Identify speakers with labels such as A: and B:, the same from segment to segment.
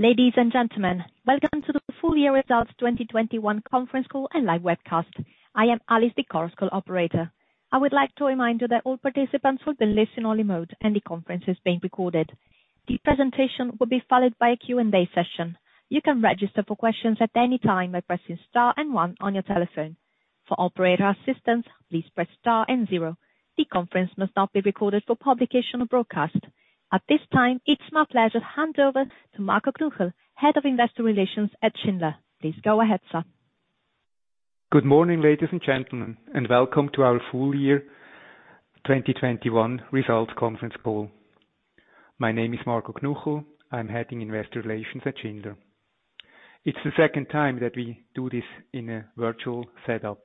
A: Ladies and gentlemen, welcome to the full year results 2021 conference call and live webcast. I am Alice, the conference call operator. I would like to remind you that all participants will be in listen-only mode and the conference is being recorded. The presentation will be followed by a Q&A session. You can register for questions at any time by pressing star one on your telephone. For operator assistance, please press star zero. The conference must not be recorded for publication or broadcast. At this time, it's my pleasure to hand over to Marco Knuchel, Head of Investor Relations at Schindler. Please go ahead, sir.
B: Good morning, ladies and gentlemen, and welcome to our full year 2021 results conference call. My name is Marco Knuchel. I'm heading Investor Relations at Schindler. It's the second time that we do this in a virtual setup.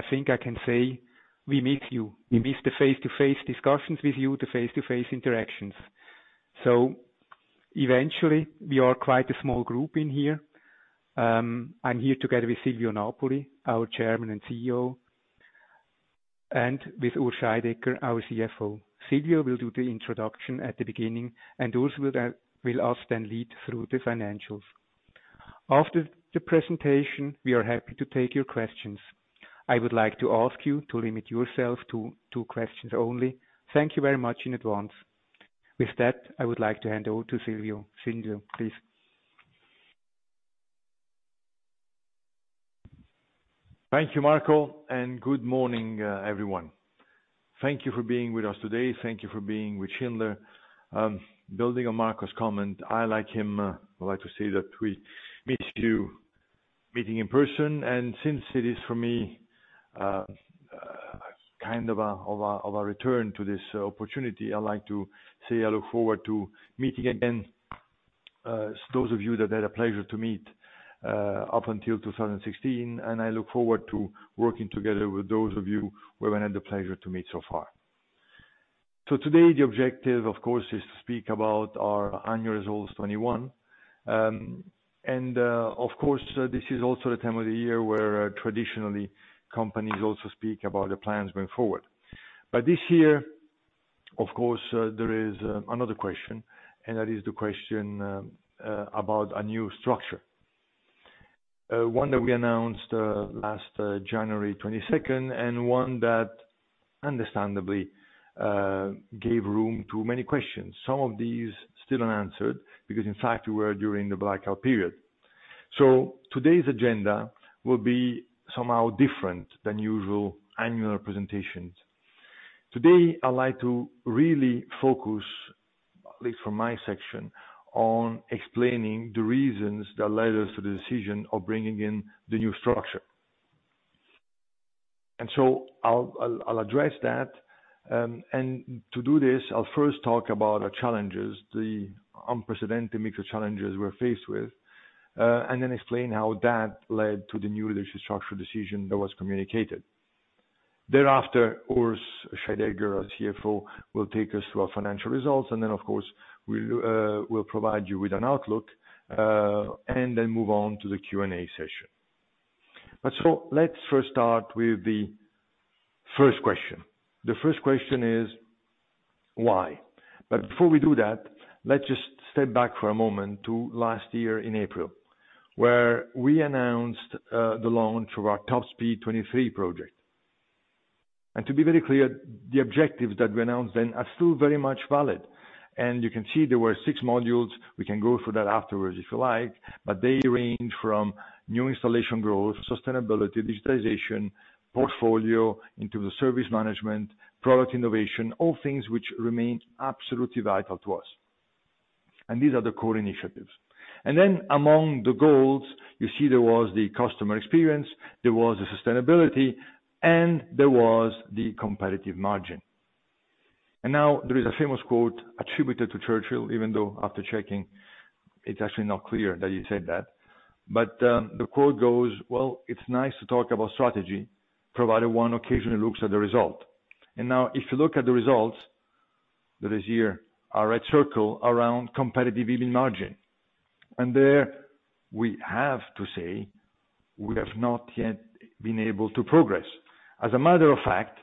B: I think I can say we miss you. We miss the face-to-face discussions with you, the face-to-face interactions. Eventually, we are quite a small group in here. I'm here together with Silvio Napoli, our Chairman and CEO, and with Urs Scheidegger, our CFO. Silvio will do the introduction at the beginning, and Urs will then lead us through the financials. After the presentation, we are happy to take your questions. I would like to ask you to limit yourself to two questions only. Thank you very much in advance. With that, I would like to hand over to Silvio. Silvio, please.
C: Thank you, Marco, and good morning, everyone. Thank you for being with us today. Thank you for being with Schindler. Building on Marco's comment, I, like him, would like to say that we miss meeting you in person. Since it is for me kind of a return to this opportunity, I'd like to say I look forward to meeting again those of you that I had a pleasure to meet up until 2016, and I look forward to working together with those of you we haven't had the pleasure to meet so far. Today the objective, of course, is to speak about our annual results 2021. Of course, this is also the time of the year where traditionally companies also speak about their plans going forward. This year, of course, there is another question, and that is the question about a new structure. One that we announced last January 22, and one that understandably gave room to many questions. Some of these still unanswered because in fact we were during the blackout period. Today's agenda will be somehow different than usual annual presentations. Today, I'd like to really focus, at least from my section, on explaining the reasons that led us to the decision of bringing in the new structure. I'll address that. To do this, I'll first talk about our challenges, the unprecedented mix of challenges we're faced with, and then explain how that led to the new leadership structural decision that was communicated. Thereafter, Urs Scheidegger, our CFO, will take us through our financial results. Then, of course, we'll provide you with an outlook and then move on to the Q&A session. Let's first start with the first question. The first question is why? Before we do that, let's just step back for a moment to last year in April, where we announced the launch of our Top Speed 2023 project. To be very clear, the objectives that we announced then are still very much valid. You can see there were six modules. We can go through that afterwards if you like, but they range from new installation growth, sustainability, digitization, portfolio, into the service management, product innovation, all things which remain absolutely vital to us. These are the core initiatives. Among the goals, you see there was the customer experience, there was the sustainability, and there was the competitive margin. Now there is a famous quote attributed to Churchill, even though after checking it's actually not clear that he said that. The quote goes, "Well, it's nice to talk about strategy, provided one occasionally looks at the result." Now if you look at the results that is here are a circle around competitive margin. There we have to say we have not yet been able to progress. As a matter of fact,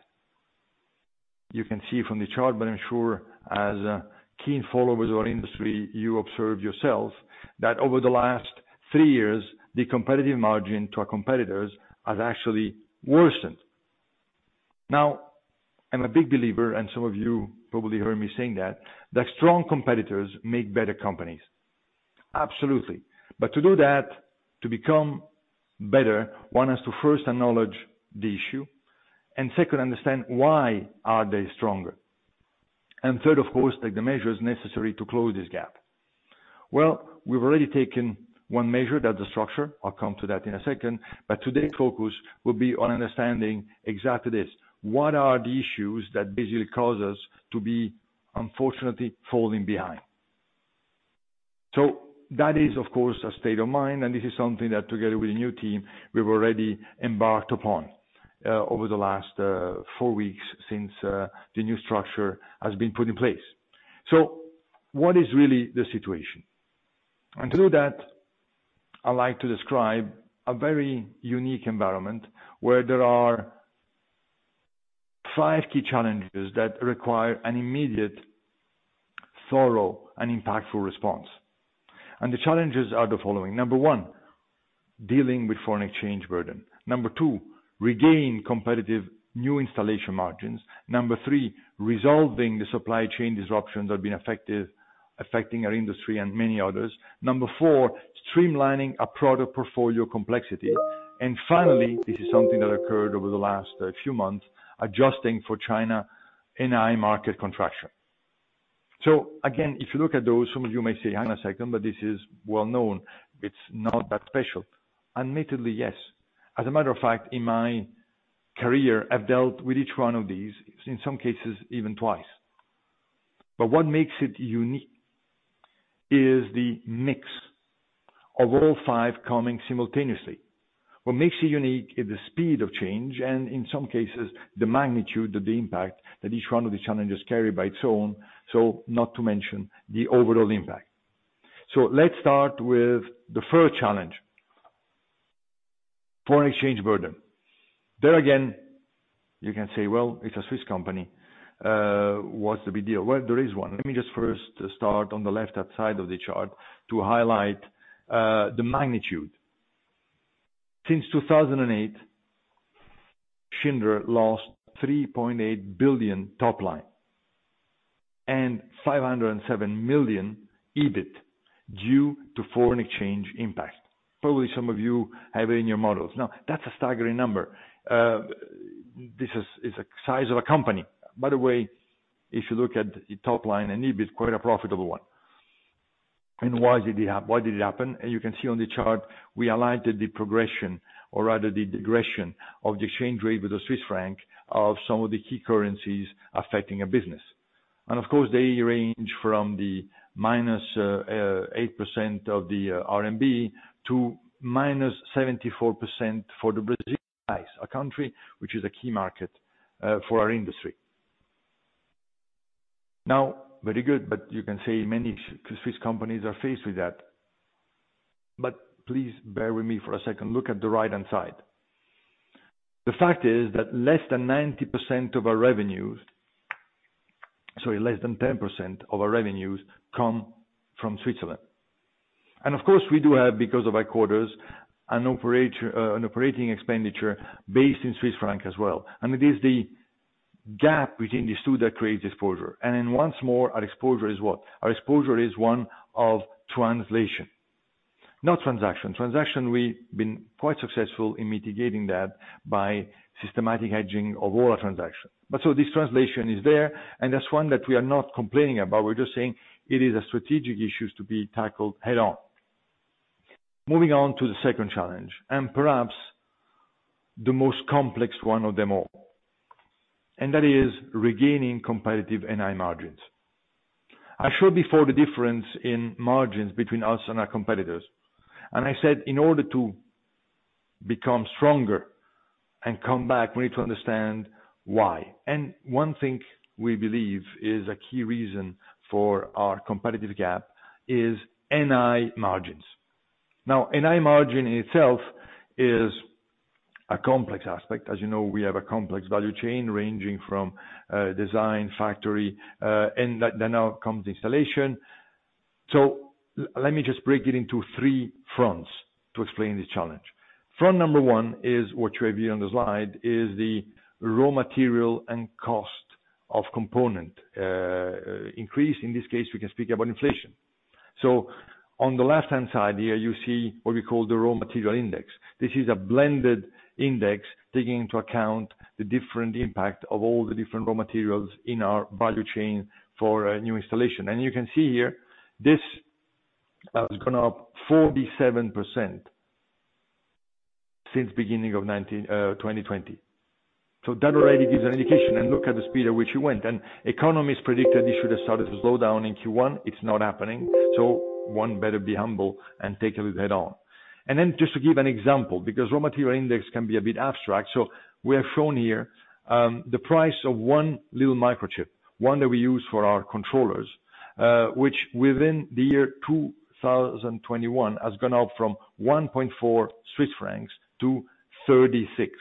C: you can see from the chart, but I'm sure as keen followers of our industry, you observe yourselves that over the last three years, the competitive margin to our competitors has actually worsened. Now, I'm a big believer, and some of you probably heard me saying that strong competitors make better companies. Absolutely. To do that, to become better, one has to first acknowledge the issue. Second, understand why are they stronger. Third, of course, take the measures necessary to close this gap. Well, we've already taken one measure, that the structure. I'll come to that in a second. Today's focus will be on understanding exactly this. What are the issues that basically cause us to be unfortunately falling behind? That is, of course, a state of mind, and this is something that together with the new team we've already embarked upon over the last four weeks since the new structure has been put in place. What is really the situation? To do that, I like to describe a very unique environment where there are five key challenges that require an immediate, thorough, and impactful response. The challenges are the following. Number one, dealing with foreign exchange burden. Number two, regain competitive new installation margins. Number three, resolving the supply chain disruptions that have been affecting our industry and many others. Number four, streamlining our product portfolio complexity. Finally, this is something that occurred over the last few months, adjusting for China NI market contraction. Again, if you look at those, some of you may say, "Hang on a second, but this is well known. It's not that special." Admittedly, yes. As a matter of fact, in my career, I've dealt with each one of these, in some cases even twice. What makes it unique is the mix of all five coming simultaneously. What makes it unique is the speed of change, and in some cases, the magnitude of the impact that each one of these challenges carry by its own, so not to mention the overall impact. Let's start with the first challenge, foreign exchange burden. There again, you can say, "Well, it's a Swiss company. What's the big deal?" Well, there is one. Let me just first start on the left-hand side of the chart to highlight the magnitude. Since 2008, Schindler lost 3.8 billion top line and 507 million EBIT due to foreign exchange impact. Probably some of you have it in your models. Now, that's a staggering number. This is a size of a company. By the way, if you look at the top line and EBIT, quite a profitable one. Why did it happen? As you can see on the chart, we aligned the progression or rather the regression of the exchange rate with the Swiss franc of some of the key currencies affecting our business. Of course, they range from the -8% of the renminbi to -74% for the Brazilian real, a country which is a key market for our industry. Now, very good, but you can say many Swiss companies are faced with that. Please bear with me for a second. Look at the right-hand side. The fact is that less than 10% of our revenues come from Switzerland. Of course, we do have, because of our headquarters, an operating expenditure based in Swiss franc as well. It is the gap between these two that creates exposure. Then once more, our exposure is what? Our exposure is one of translation, not transaction. Transaction, we've been quite successful in mitigating that by systematic hedging of all our transaction. This translation is there, and that's one that we are not complaining about. We're just saying it is a strategic issue to be tackled head-on. Moving on to the second challenge, and perhaps the most complex one of them all, and that is regaining competitive NI margins. I showed before the difference in margins between us and our competitors, and I said in order to become stronger and come back, we need to understand why. One thing we believe is a key reason for our competitive gap is NI margins. Now, NI margin itself is a complex aspect. As you know, we have a complex value chain ranging from, design, factory, and then now comes installation. Let me just break it into three fronts to explain this challenge. Point number one is what you have here on the slide, the raw material and component cost increase. In this case, we can speak about inflation. On the left-hand side here, you see what we call the Raw Material Index. This is a blended index taking into account the different impact of all the different raw materials in our value chain for a new installation. You can see here, this has gone up 47% since the beginning of 2020. That already gives an indication. Look at the speed at which it went. Economists predicted this should have started to slow down in Q1. It's not happening. One better be humble and take it head-on. Then just to give an example, because Raw Material Index can be a bit abstract. We have shown here, the price of one little microchip, one that we use for our controllers, which within the year 2021 has gone up from 1.4 Swiss francs to 36.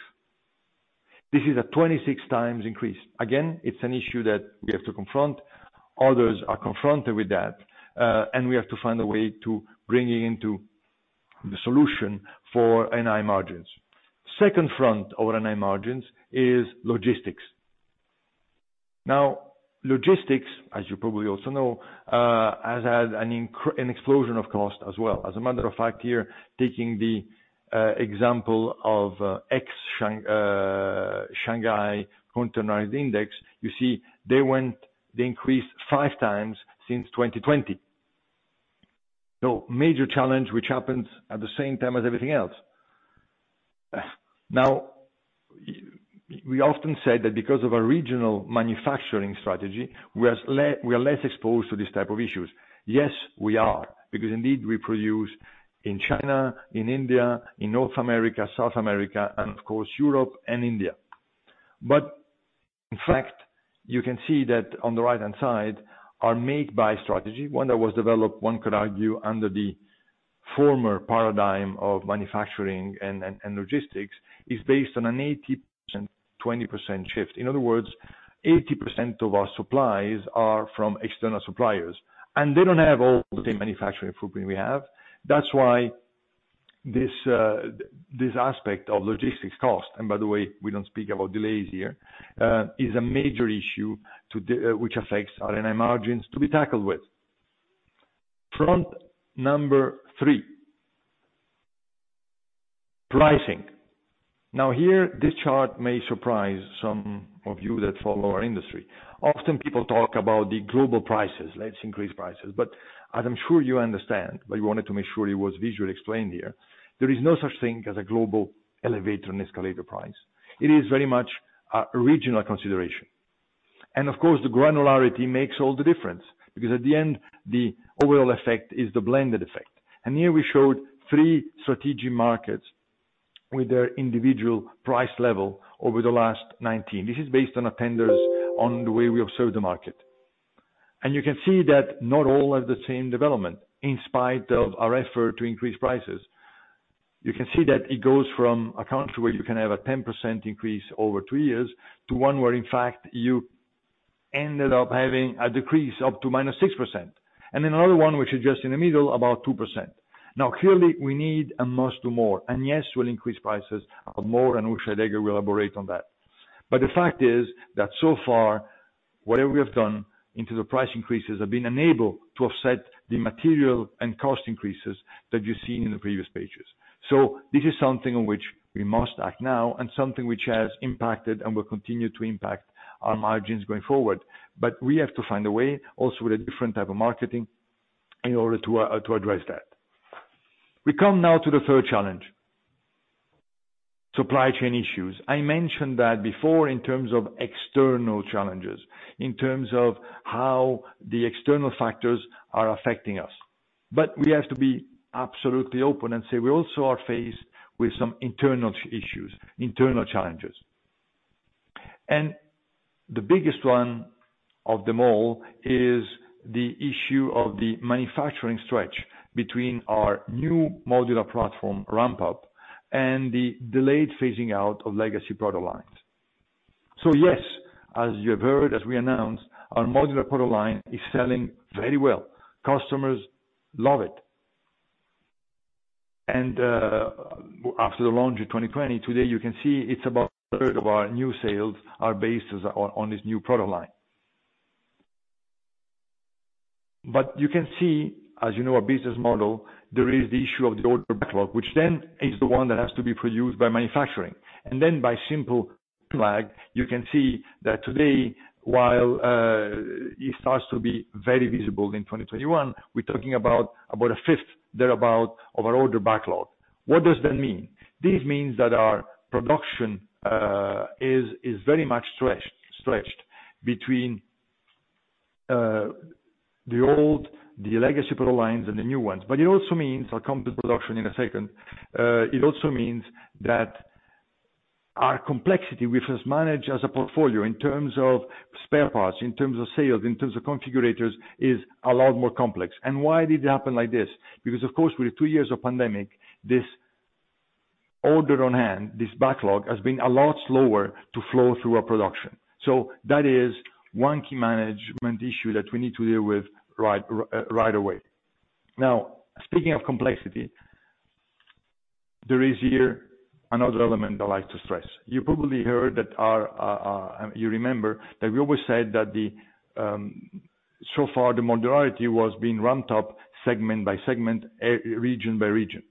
C: This is a 26x increase. Again, it's an issue that we have to confront. Others are confronted with that, and we have to find a way to bring it into the solution for NI margins. Second front of our NI margins is logistics. Now, logistics, as you probably also know, has had an explosion of cost as well. As a matter of fact here, taking the example of Shanghai Containerized Freight Index, you see they increased 5x since 2020. Major challenge which happened at the same time as everything else. Now, we often said that because of our regional manufacturing strategy, we are less exposed to these type of issues. Yes, we are, because indeed, we produce in China, in India, in North America, South America, and of course, Europe and India. In fact, you can see that on the right-hand side, our make-buy strategy, one that was developed, one could argue, under the former paradigm of manufacturing and logistics, is based on an 80%-20% shift. In other words, 80% of our supplies are from external suppliers, and they don't have all the same manufacturing footprint we have. That's why this aspect of logistics cost, and by the way, we don't speak about delays here, is a major issue which affects R&I margins to be tackled with. Point number three, pricing. Now here, this chart may surprise some of you that follow our industry. Often people talk about the global prices, let's increase prices. As I'm sure you understand, but we wanted to make sure it was visually explained here, there is no such thing as a global elevator and escalator price. It is very much a regional consideration. Of course, the granularity makes all the difference because at the end, the overall effect is the blended effect. Here we showed three strategic markets with their individual price level over the last 19. This is based on tenders on the way we observe the market. You can see that not all have the same development in spite of our effort to increase prices. You can see that it goes from a country where you can have a 10% increase over two years to one where in fact you ended up having a decrease up to -6%. Then another one, which is just in the middle, about 2%. Now, clearly, we need and must do more. Yes, we'll increase prices of more, and Urs will elaborate on that. The fact is that so far, whatever we have done into the price increases have been unable to offset the material and cost increases that you've seen in the previous pages. This is something on which we must act now and something which has impacted and will continue to impact our margins going forward. We have to find a way, also with a different type of marketing, in order to address that. We come now to the third challenge, supply chain issues. I mentioned that before in terms of external challenges, in terms of how the external factors are affecting us. We have to be absolutely open and say we also are faced with some internal issues, internal challenges. The biggest one of them all is the issue of the manufacturing stretch between our new modular platform ramp up and the delayed phasing out of legacy product lines. Yes, as you have heard, as we announced, our modular product line is selling very well. Customers love it. After the launch in 2020, today you can see it's about a third of our new sales are based on this new product line. You can see, as you know our business model, there is the issue of the order backlog, which then is the one that has to be produced by manufacturing. By simple math, you can see that today, while it starts to be very visible in 2021, we're talking about a fifth thereabout of our order backlog. What does that mean? This means that our production is very much stretched between the old, the legacy product lines and the new ones. It also means, I'll come to production in a second, it also means that our complexity, which is managed as a portfolio in terms of spare parts, in terms of sales, in terms of configurators, is a lot more complex. Why did it happen like this? Because of course, with two years of pandemic, this order on hand, this backlog has been a lot slower to flow through our production. That is one key management issue that we need to deal with right away. Now, speaking of complexity, there is here another element I'd like to stress. You probably heard that, you remember that we always said that, so far the modularity was being ramped up segment by segment, region by region.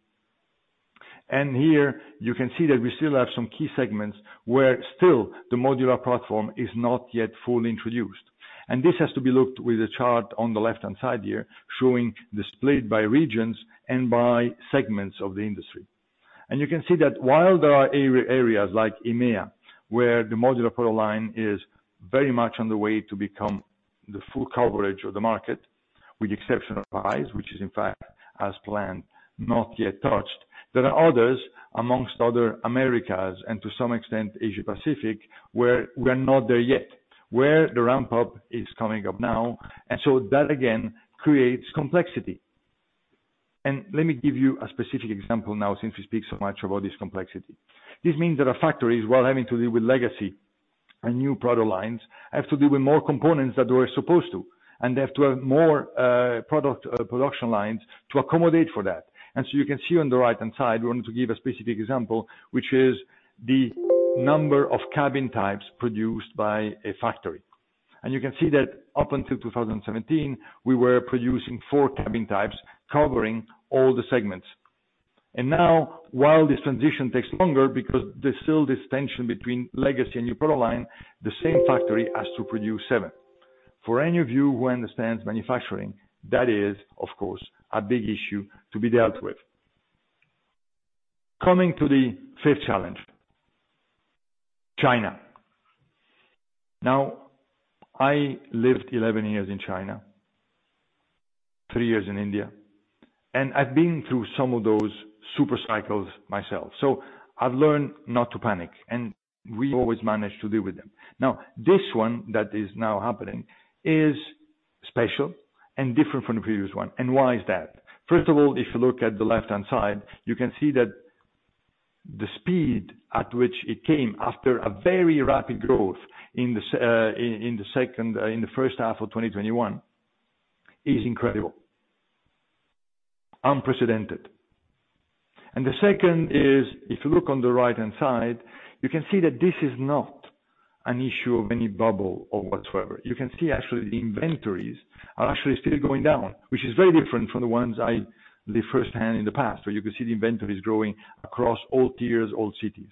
C: Here you can see that we still have some key segments where still the modular platform is not yet fully introduced. This has to be looked with the chart on the left-hand side here, showing the split by regions and by segments of the industry. You can see that while there are areas like EMEA, where the modular product line is very much on the way to become the full coverage of the market, with the exception of rise, which is in fact as planned, not yet touched, there are others, amongst other Americas and to some extent Asia-Pacific, where we're not there yet, where the ramp up is coming up now. That again creates complexity. Let me give you a specific example now since we speak so much about this complexity. This means that our factories, while having to deal with legacy and new product lines, have to deal with more components than they were supposed to, and they have to have more product production lines to accommodate for that. You can see on the right-hand side, we wanted to give a specific example, which is the number of cabin types produced by a factory. You can see that up until 2017, we were producing four cabin types covering all the segments. Now, while this transition takes longer because there's still this tension between legacy and new product line, the same factory has to produce seven. For any of you who understands manufacturing, that is, of course, a big issue to be dealt with. Coming to the fifth challenge, China. Now, I lived 11 years in China. Three years in India. I've been through some of those super cycles myself. I've learned not to panic, and we always manage to deal with them. Now, this one that is now happening is special and different from the previous one, and why is that? First of all, if you look at the left-hand side, you can see that the speed at which it came after a very rapid growth in the first half of 2021 is incredible, unprecedented. The second is, if you look on the right-hand side, you can see that this is not an issue of any bubble or whatsoever. You can see actually the inventories are actually still going down, which is very different from the ones I lived firsthand in the past, where you could see the inventories growing across all tiers, all cities.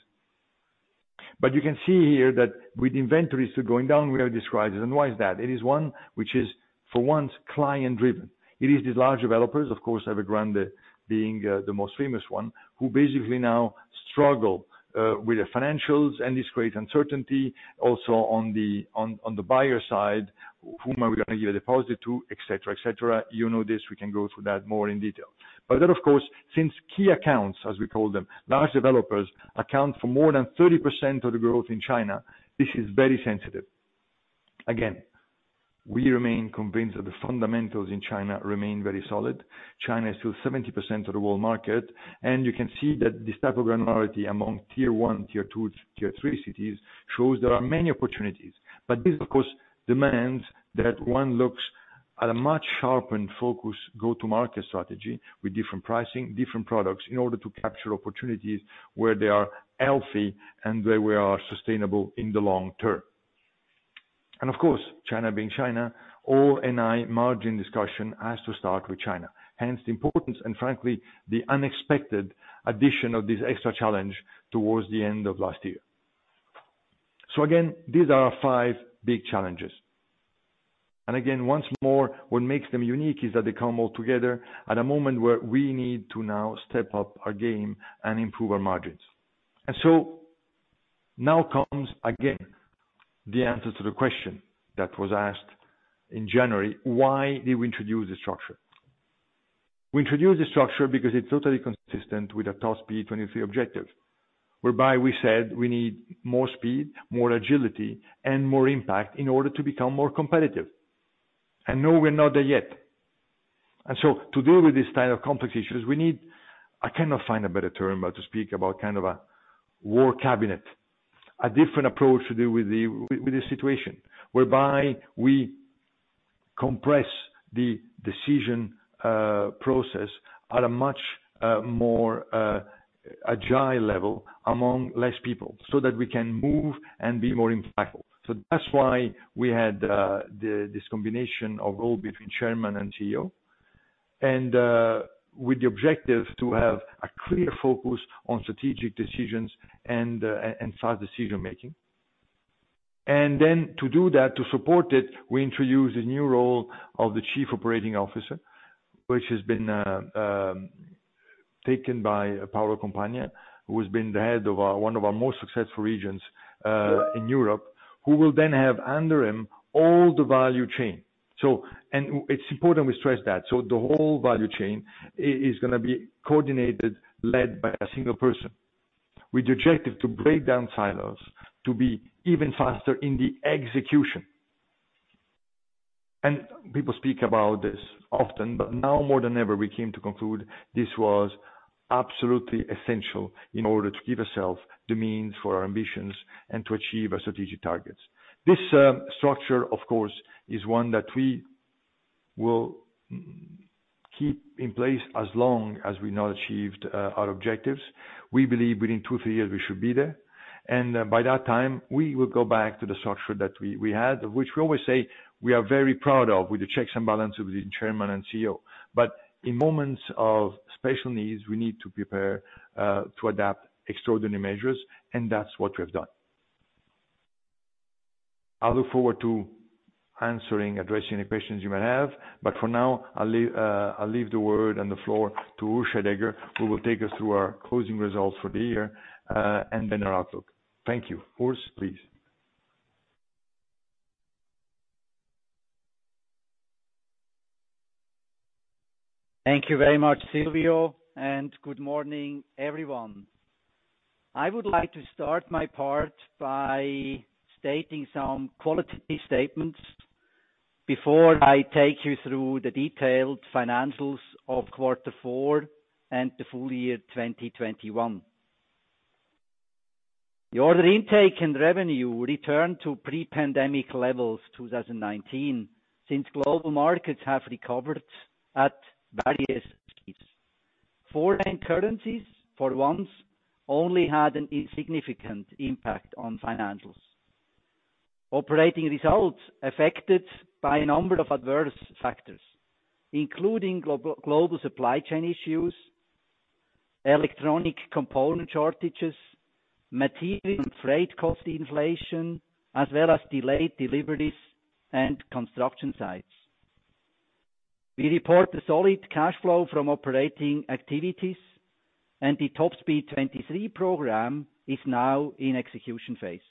C: You can see here that with inventories still going down, we have described it, and why is that? It is one which is, for once, client driven. It is these large developers, of course, Evergrande being the most famous one, who basically now struggle with the financials and this great uncertainty also on the buyer side, whom are we gonna give a deposit to, et cetera, et cetera. You know this, we can go through that more in detail. Of course, since key accounts, as we call them, large developers account for more than 30% of the growth in China, this is very sensitive. Again, we remain convinced that the fundamentals in China remain very solid. China is still 70% of the world market, and you can see that this type of granularity among Tier 1, Tier 2, Tier 3 cities shows there are many opportunities. This, of course, demands that one looks at a much sharpened focus go-to-market strategy with different pricing, different products, in order to capture opportunities where they are healthy and where we are sustainable in the long term. Of course, China being China, all NI margin discussion has to start with China, hence the importance and frankly the unexpected addition of this extra challenge towards the end of last year. Again, these are our five big challenges. Again, once more, what makes them unique is that they come all together at a moment where we need to now step up our game and improve our margins. Now comes again the answer to the question that was asked in January, why did we introduce this structure? We introduced this structure because it's totally consistent with the Top Speed 2023 objective, whereby we said we need more speed, more agility, and more impact in order to become more competitive. No, we're not there yet. To deal with this kind of complex issues, we need I cannot find a better term, but to speak about kind of a war cabinet, a different approach to deal with the situation, whereby we compress the decision process at a much more agile level among less people so that we can move and be more impactful. That's why we had this combination of role between Chairman and CEO, with the objective to have a clear focus on strategic decisions and fast decision-making. Then to do that, to support it, we introduced a new role of the Chief Operating Officer, which has been taken by Paolo Compagna, who has been the head of one of our most successful regions in Europe, who will then have under him all the value chain. It's important we stress that. The whole value chain is gonna be coordinated, led by a single person with the objective to break down silos, to be even faster in the execution. People speak about this often, but now more than ever we came to conclude this was absolutely essential in order to give ourselves the means for our ambitions and to achieve our strategic targets. This structure, of course, is one that we will keep in place as long as we've not achieved our objectives. We believe within two to three years we should be there. By that time, we will go back to the structure that we had, which we always say we are very proud of with the checks and balances between Chairman and CEO. In moments of special needs, we need to prepare to adapt extraordinary measures, and that's what we have done. I'll look forward to answering, addressing any questions you may have, but for now, I'll leave the word and the floor to Urs Scheidegger who will take us through our closing results for the year, and then our outlook. Thank you. Urs, please.
D: Thank you very much, Silvio, and good morning, everyone. I would like to start my part by stating some quality statements before I take you through the detailed financials of quarter four and the full year 2021. The order intake and revenue returned to pre-pandemic levels, 2019, since global markets have recovered at various speeds. Foreign currencies, for once, only had an insignificant impact on financials. Operating results affected by a number of adverse factors, including global supply chain issues, electronic component shortages, material and freight cost inflation, as well as delayed deliveries and construction sites. We report a solid cash flow from operating activities, and the Top Speed 2023 program is now in execution phase.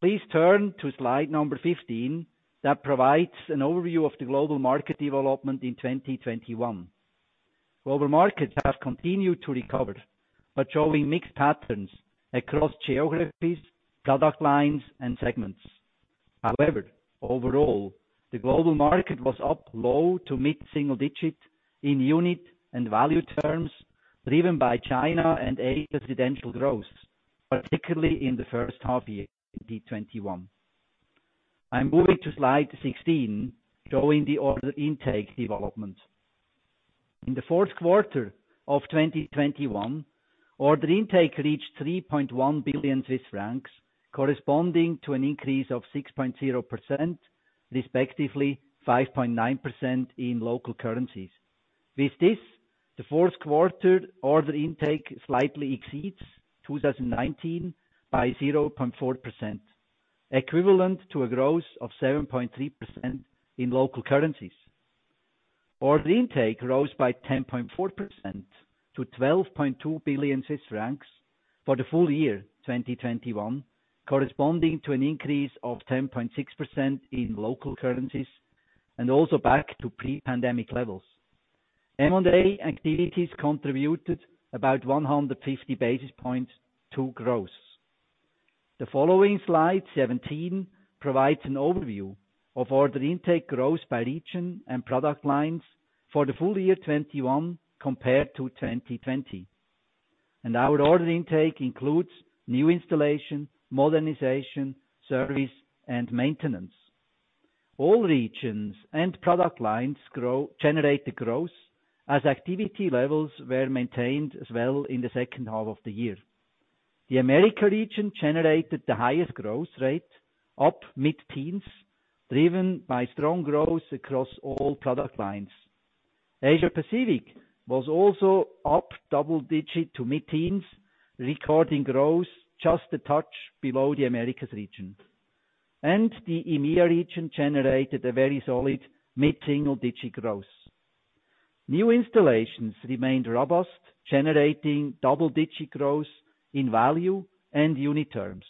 D: Please turn to slide number 15 that provides an overview of the global market development in 2021. Global markets have continued to recover, but showing mixed patterns across geographies, product lines, and segments. However, overall, the global market was up low- to mid-single-digit in unit and value terms, driven by China and area residential growth, particularly in the first half of 2021. I'm moving to Slide 16, showing the order intake development. In the fourth quarter of 2021, order intake reached 3.1 billion Swiss francs, corresponding to an increase of 6.0%, respectively 5.9% in local currencies. With this, the fourth quarter order intake slightly exceeds 2019 by 0.4%, equivalent to a growth of 7.3% in local currencies. Order intake rose by 10.4% to 12.2 billion Swiss francs for the full year 2021, corresponding to an increase of 10.6% in local currencies and also back to pre-pandemic levels. M&A activities contributed about 150 basis points to growth. The following Slide 17 provides an overview of order intake growth by region and product lines for the full year 2021 compared to 2020. Our order intake includes new installation, modernization, service, and maintenance. All regions and product lines generated growth as activity levels were maintained as well in the second half of the year. The Americas region generated the highest growth rate, up mid-teens, driven by strong growth across all product lines. Asia Pacific was also up double-digit to mid-teens, recording growth just a touch below the Americas region. The EMEA region generated a very solid mid-single-digit growth. New installations remained robust, generating double-digit growth in value and unit terms.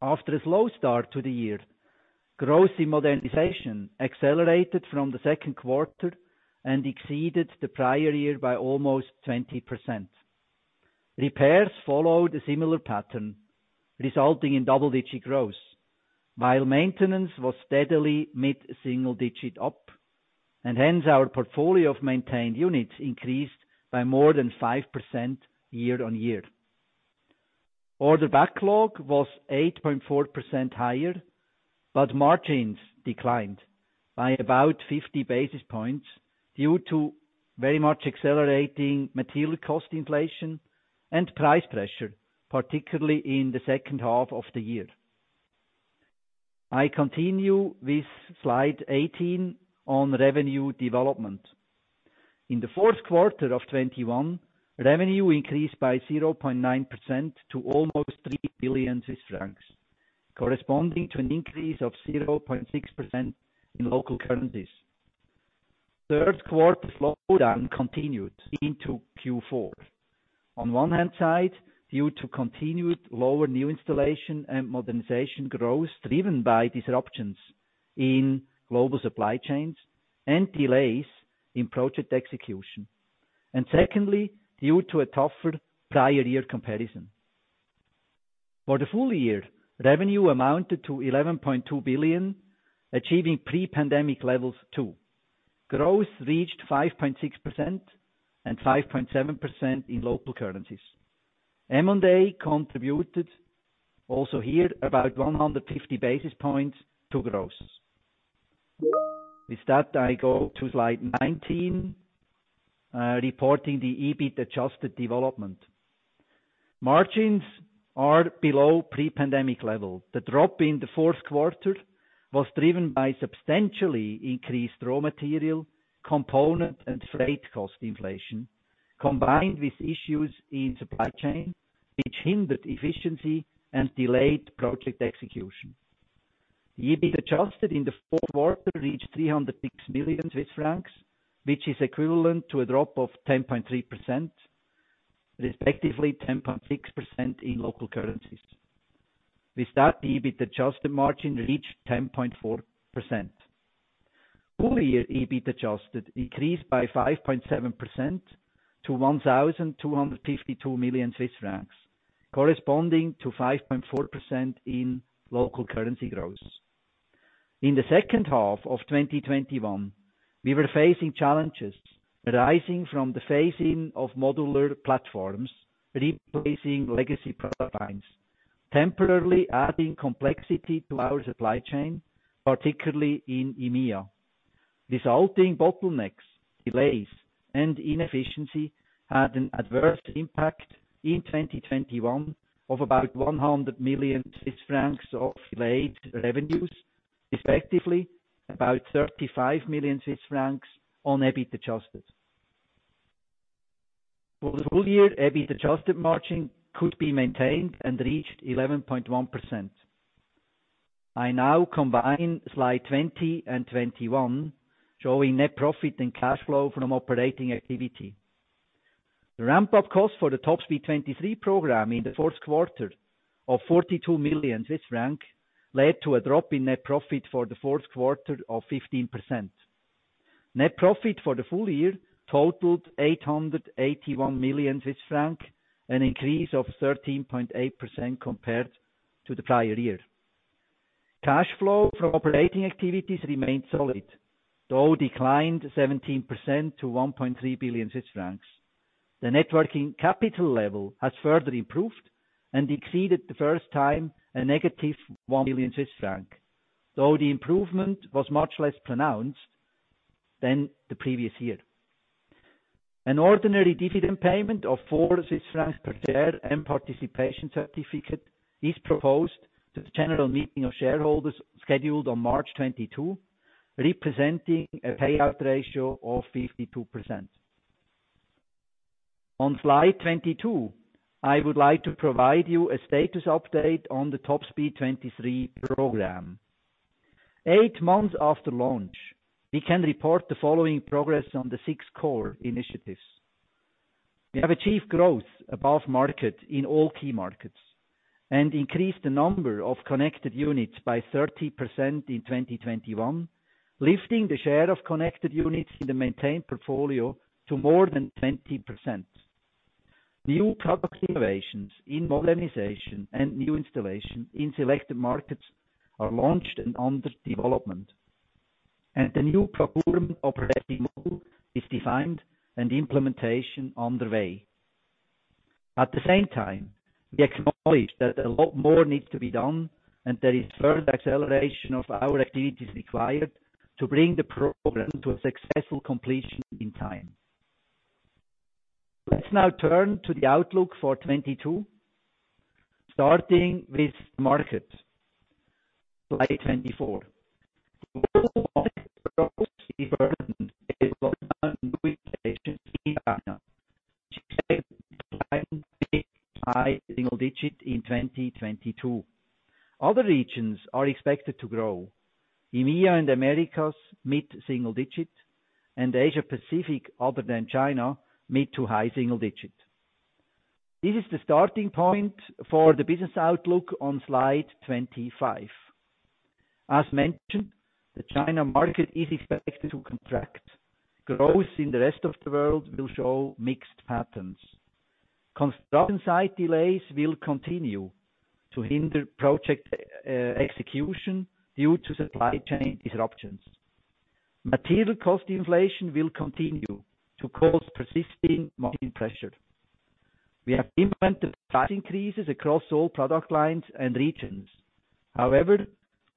D: After a slow start to the year, growth in modernization accelerated from the second quarter and exceeded the prior year by almost 20%. Repairs followed a similar pattern, resulting in double-digit growth, while maintenance was steadily mid-single-digit up, and hence our portfolio of maintained units increased by more than 5% year-on-year. Order backlog was 8.4% higher, but margins declined by about 50 basis points due to very much accelerating material cost inflation and price pressure, particularly in the second half of the year. I continue with Slide 18 on revenue development. In the fourth quarter of 2021, revenue increased by 0.9% to almost 3 billion Swiss francs, corresponding to an increase of 0.6% in local currencies. Third quarter slowdown continued into Q4. On one hand side, due to continued lower new installation and modernization growth, driven by disruptions in global supply chains and delays in project execution. Secondly, due to a tougher prior year comparison. For the full year, revenue amounted to 11.2 billion, achieving pre-pandemic levels too. Growth reached 5.6% and 5.7% in local currencies. M&A contributed also here about 150 basis points to growth. With that, I go to Slide 19, reporting the adjusted EBIT development. Margins are below pre-pandemic level. The drop in the fourth quarter was driven by substantially increased raw material, component, and freight cost inflation, combined with issues in supply chain, which hindered efficiency and delayed project execution. Adjusted EBIT in the fourth quarter reached 306 million Swiss francs, which is equivalent to a drop of 10.3%, respectively 10.6% in local currencies. With that, the adjusted EBIT margin reached 10.4%. Full year adjusted EBIT increased by 5.7% to 1,252 million Swiss francs, corresponding to 5.4% in local currency growth. In the second half of 2021, we were facing challenges arising from the phasing of modular platforms, replacing legacy product lines, temporarily adding complexity to our supply chain, particularly in EMEA. Resulting bottlenecks, delays, and inefficiency had an adverse impact in 2021 of about 100 million Swiss francs of delayed revenues, respectively about 35 million Swiss francs on adjusted EBIT. For the full year, adjusted EBIT margin could be maintained and reached 11.1%. I now combine Slides 20 and 21, showing net profit and cash flow from operating activities. The ramp-up cost for the Top Speed 2023 program in the fourth quarter of 42 million Swiss francs led to a drop in net profit for the fourth quarter of 15%. Net profit for the full year totaled 881 million Swiss francs, an increase of 13.8% compared to the prior year. Cash flow from operating activities remained solid, though declined 17% to 1.3 billion Swiss francs. The net working capital level has further improved and exceeded for the first time -1 billion Swiss franc, though the improvement was much less pronounced than the previous year. An ordinary dividend payment of 4 Swiss francs per share and participation certificate is proposed to the general meeting of shareholders scheduled on March 22, representing a payout ratio of 52%. On Slide 22, I would like to provide you a status update on the Top Speed 2023 program. Eight months after launch, we can report the following progress on the six core initiatives. We have achieved growth above market in all key markets and increased the number of connected units by 30% in 2021, lifting the share of connected units in the maintained portfolio to more than 20%. New product innovations in modernization and new installation in selected markets are launched and under development, and the new procurement operating model is defined and implementation underway. At the same time, we acknowledge that a lot more needs to be done and there is further acceleration of our activities required to bring the program to a successful completion in time. Let's now turn to the outlook for 2022, starting with market, Slide 24. Global market growth is burdened in China, which is expected to decline mid- to high-single-digit % in 2022. Other regions are expected to grow. EMEA and Americas, mid-single-digit, and Asia Pacific, other than China, mid- to high-single-digit. This is the starting point for the business outlook on Slide 25. As mentioned, the China market is expected to contract. Growth in the rest of the world will show mixed patterns. Construction site delays will continue to hinder project execution due to supply chain disruptions. Material cost inflation will continue to cause persistent margin pressure. We have implemented price increases across all product lines and regions. However,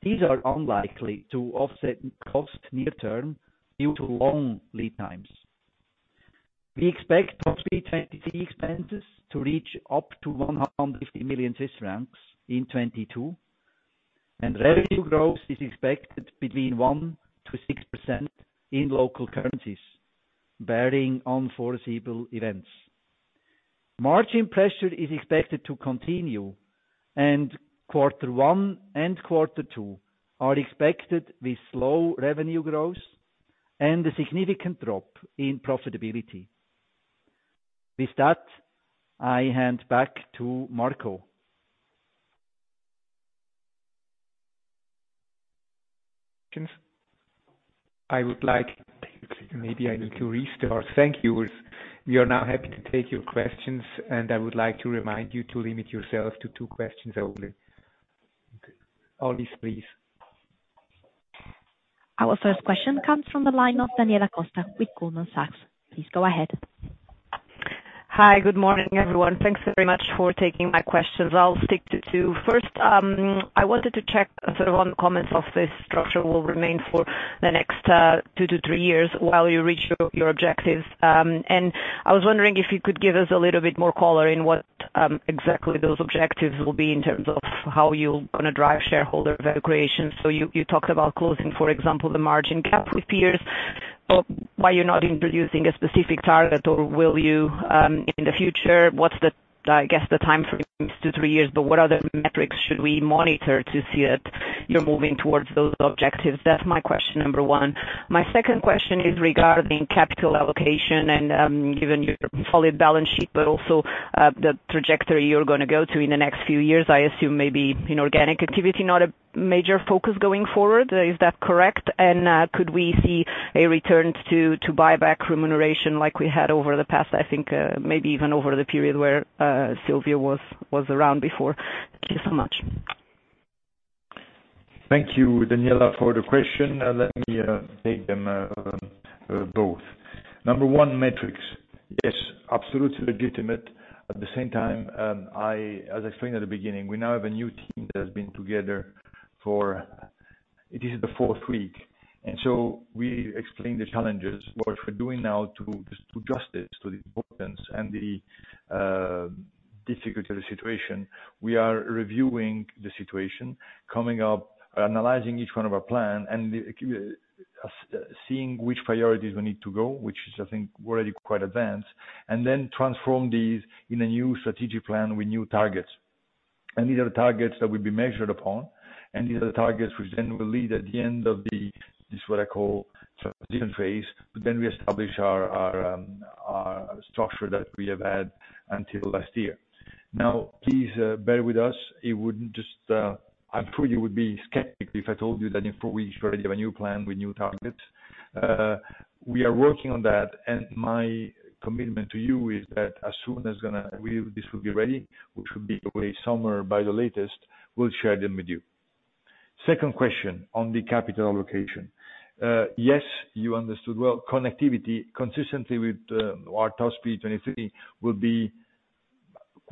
D: these are unlikely to offset costs near term due to long lead times. We expect Top Speed 2023 expenses to reach up to 150 million Swiss francs in 2022, and revenue growth is expected between 1%-6% in local currencies, barring unforeseeable events. Margin pressure is expected to continue, and quarter one and quarter two are expected with slow revenue growth and a significant drop in profitability. With that, I hand back to Marco.
B: Thank you. We are now happy to take your questions, and I would like to remind you to limit yourself to two questions only. Okay. Alice, please.
A: Our first question comes from the line of Daniela Costa with Goldman Sachs. Please go ahead.
E: Hi. Good morning, everyone. Thanks very much for taking my questions. I'll stick to two. First, I wanted to check sort of on comments of this structure will remain for the next, two to three years while you reach your objectives. I was wondering if you could give us a little bit more color in what, exactly those objectives will be in terms of how you're gonna drive shareholder value creation. You talked about closing, for example, the margin gap with peers, but why you're not introducing a specific target, or will you, in the future? What's the, I guess, the time frame is two, three years, but what other metrics should we monitor to see that you're moving towards those objectives? That's my question number one. My second question is regarding capital allocation and, given your solid balance sheet, but also, the trajectory you're gonna go to in the next few years. I assume maybe inorganic activity, not a major focus going forward. Is that correct? Could we see a return to buyback remuneration like we had over the past, I think, maybe even over the period where Silvio Napoli was around before? Thank you so much.
C: Thank you, Daniela, for the question. Let me take them both. Number one, metrics. Yes, absolutely legitimate. At the same time, as I explained at the beginning, we now have a new team that has been together for it is the fourth week. We explained the challenges. What we're doing now to do justice to the importance and the difficult situation. We are reviewing the situation, coming up, analyzing each one of our plan and the seeing which priorities we need to go, which is I think we're already quite advanced, and then transform these in a new strategic plan with new targets. These are the targets that will be measured upon, and these are the targets which then will lead at the end of the this what I call transition phase. We establish our structure that we have had until last year. Now, please, bear with us. I'm sure you would be skeptical if I told you that in four weeks we already have a new plan with new targets. We are working on that, and my commitment to you is that as soon as this will be ready, which would be by summer at the latest, we'll share them with you. Second question on the capital allocation. Yes, you understood well. Connectivity, consistent with our Top Speed 2023,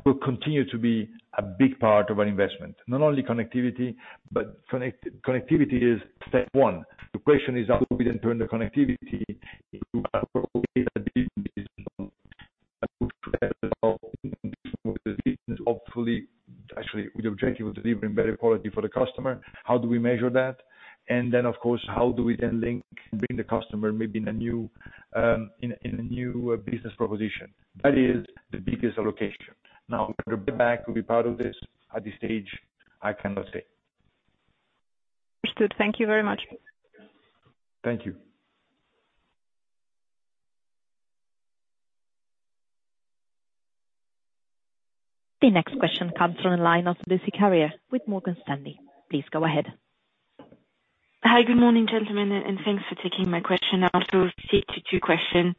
C: will continue to be a big part of our investment. Not only connectivity, but connectivity is step one. The question is how do we then turn the connectivity into hopefully, actually, with the objective of delivering better quality for the customer. How do we measure that? Then, of course, how do we then link, bring the customer maybe in a new business proposition. That is the biggest allocation. Now, the back will be part of this. At this stage, I cannot say.
E: Understood. Thank you very much.
C: Thank you.
A: The next question comes from the line of Lucie Carrier with Morgan Stanley. Please go ahead.
F: Hi, good morning, gentlemen, and thanks for taking my question. I also have two questions,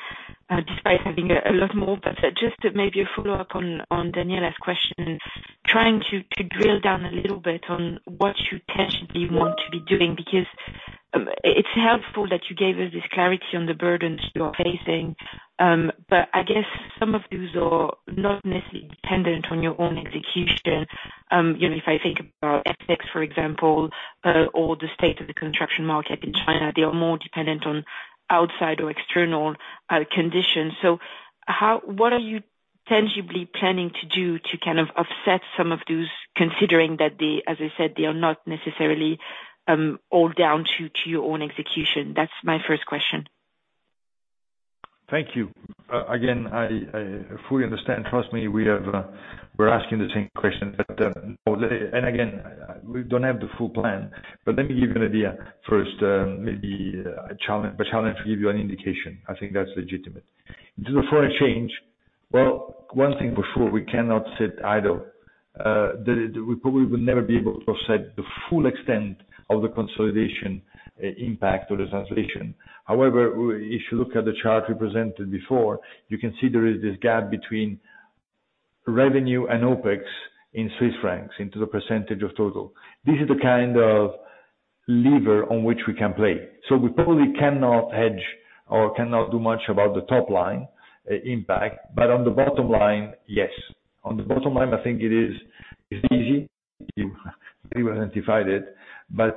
F: despite having a lot more, but just maybe a follow-up on Daniela's question, trying to drill down a little bit on what you tangibly want to be doing, because it's helpful that you gave us this clarity on the burdens you are facing, but I guess some of these are not necessarily dependent on your own execution. You know, if I think about CapEx, for example, or the state of the construction market in China, they are more dependent on outside or external conditions. So, what are you tangibly planning to do to kind of offset some of those, considering that they, as I said, they are not necessarily all down to your own execution? That's my first question.
C: Thank you. Again, I fully understand. Trust me, we have, we're asking the same question. Again, we don't have the full plan. Let me give you an idea first, maybe I challenge to give you an indication. I think that's legitimate. To the foreign exchange, well, one thing for sure, we cannot sit idle. We probably will never be able to offset the full extent of the consolidation impact or the translation. However, if you look at the chart we presented before, you can see there is this gap between revenue and OpEx in Swiss francs in the percentage of total. This is the kind of lever on which we can play. We probably cannot hedge or cannot do much about the top line impact, but on the bottom line, yes. On the bottom line, I think it is easy. You identified it.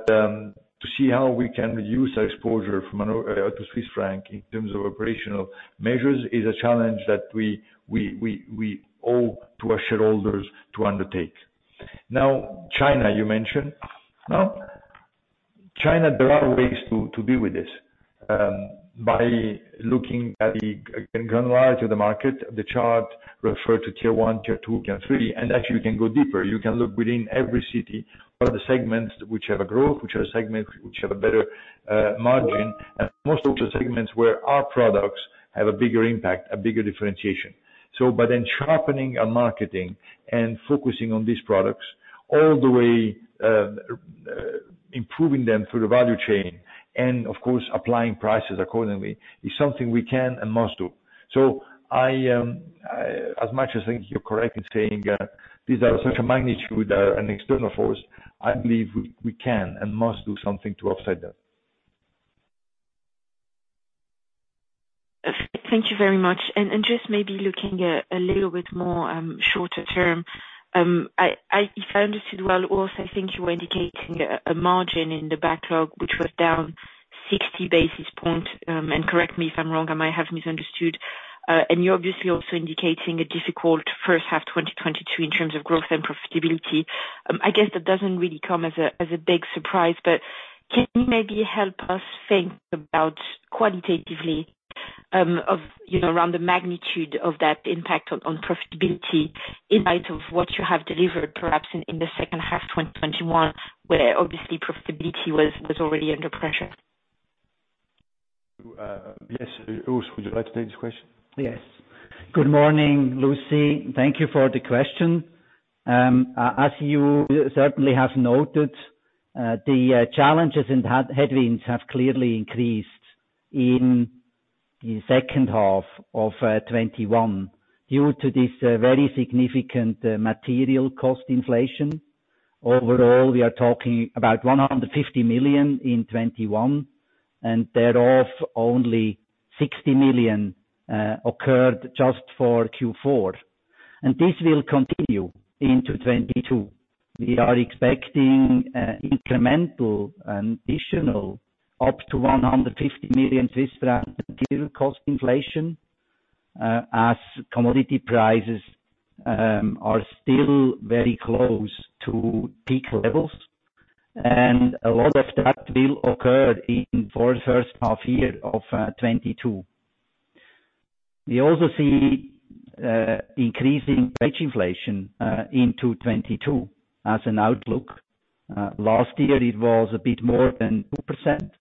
C: To see how we can reduce our exposure to the Swiss franc in terms of operational measures is a challenge that we owe to our shareholders to undertake. Now, China, you mentioned. Now, China, there are ways to deal with this. By looking at the market in general, the chart refer to Tier 1, Tier 2, Tier 3, and actually you can go deeper. You can look within every city or the segments which have a growth, which are segments which have a better margin, and most of the segments where our products have a bigger impact, a bigger differentiation. By then sharpening our marketing and focusing on these products all the way, improving them through the value chain and of course, applying prices accordingly, is something we can and must do. I, as much as I think you're correct in saying, these are such a magnitude, an external force, I believe we can and must do something to offset that.
F: Thank you very much. Just maybe looking a little bit more short term, if I understood well, Urs, I think you were indicating a margin in the backlog which was down 60 basis points. Correct me if I'm wrong, I might have misunderstood. You're obviously also indicating a difficult first half, 2022 in terms of growth and profitability. I guess that doesn't really come as a big surprise. Can you maybe help us think about quantitatively around the magnitude of that impact on profitability in light of what you have delivered, perhaps in the second half of 2021, where obviously profitability was already under pressure?
C: Yes. Urs, would you like to take this question?
D: Yes. Good morning, Lucie. Thank you for the question. As you certainly have noted, the challenges and headwinds have clearly increased in the second half of 2021 due to this very significant material cost inflation. Overall, we are talking about 150 million in 2021, and thereof, only 60 million occurred just for Q4. This will continue into 2022. We are expecting incremental and additional up to 150 million Swiss franc material cost inflation as commodity prices are still very close to peak levels. A lot of that will occur in the first half year of 2022. We also see increasing wage inflation into 2022 as an outlook. Last year it was a bit more than 2%,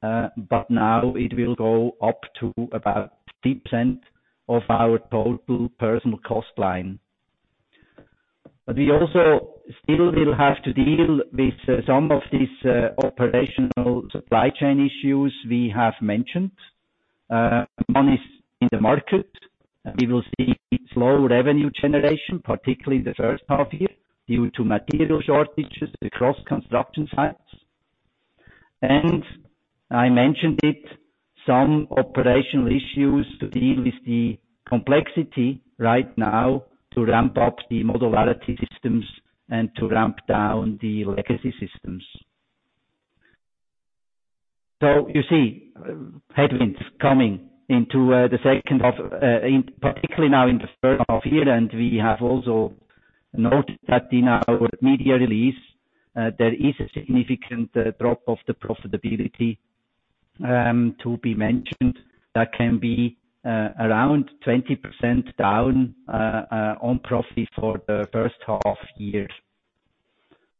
D: but now it will go up to about 10% of our total personal cost line. We also still will have to deal with some of these operational supply chain issues we have mentioned. One is in the market. We will see slow revenue generation, particularly in the first half year, due to material shortages across construction sites. I mentioned it, some operational issues to deal with the complexity right now to ramp up the modularity systems and to ramp down the legacy systems. You see headwinds coming into the second half, particularly now in the first half year, and we have also noted that in our media release. There is a significant drop of the profitability to be mentioned that can be around 20% down on profit for the first half year.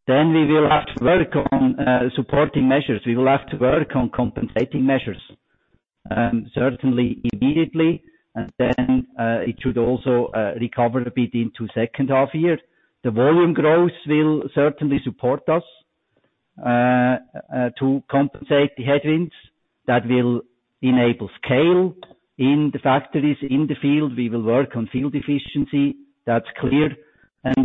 D: We will have to work on supporting measures. We will have to work on compensating measures, certainly immediately, and then it should also recover a bit into second half year. The volume growth will certainly support us to compensate the headwinds that will enable scale in the factories, in the field. We will work on field efficiency, that's clear.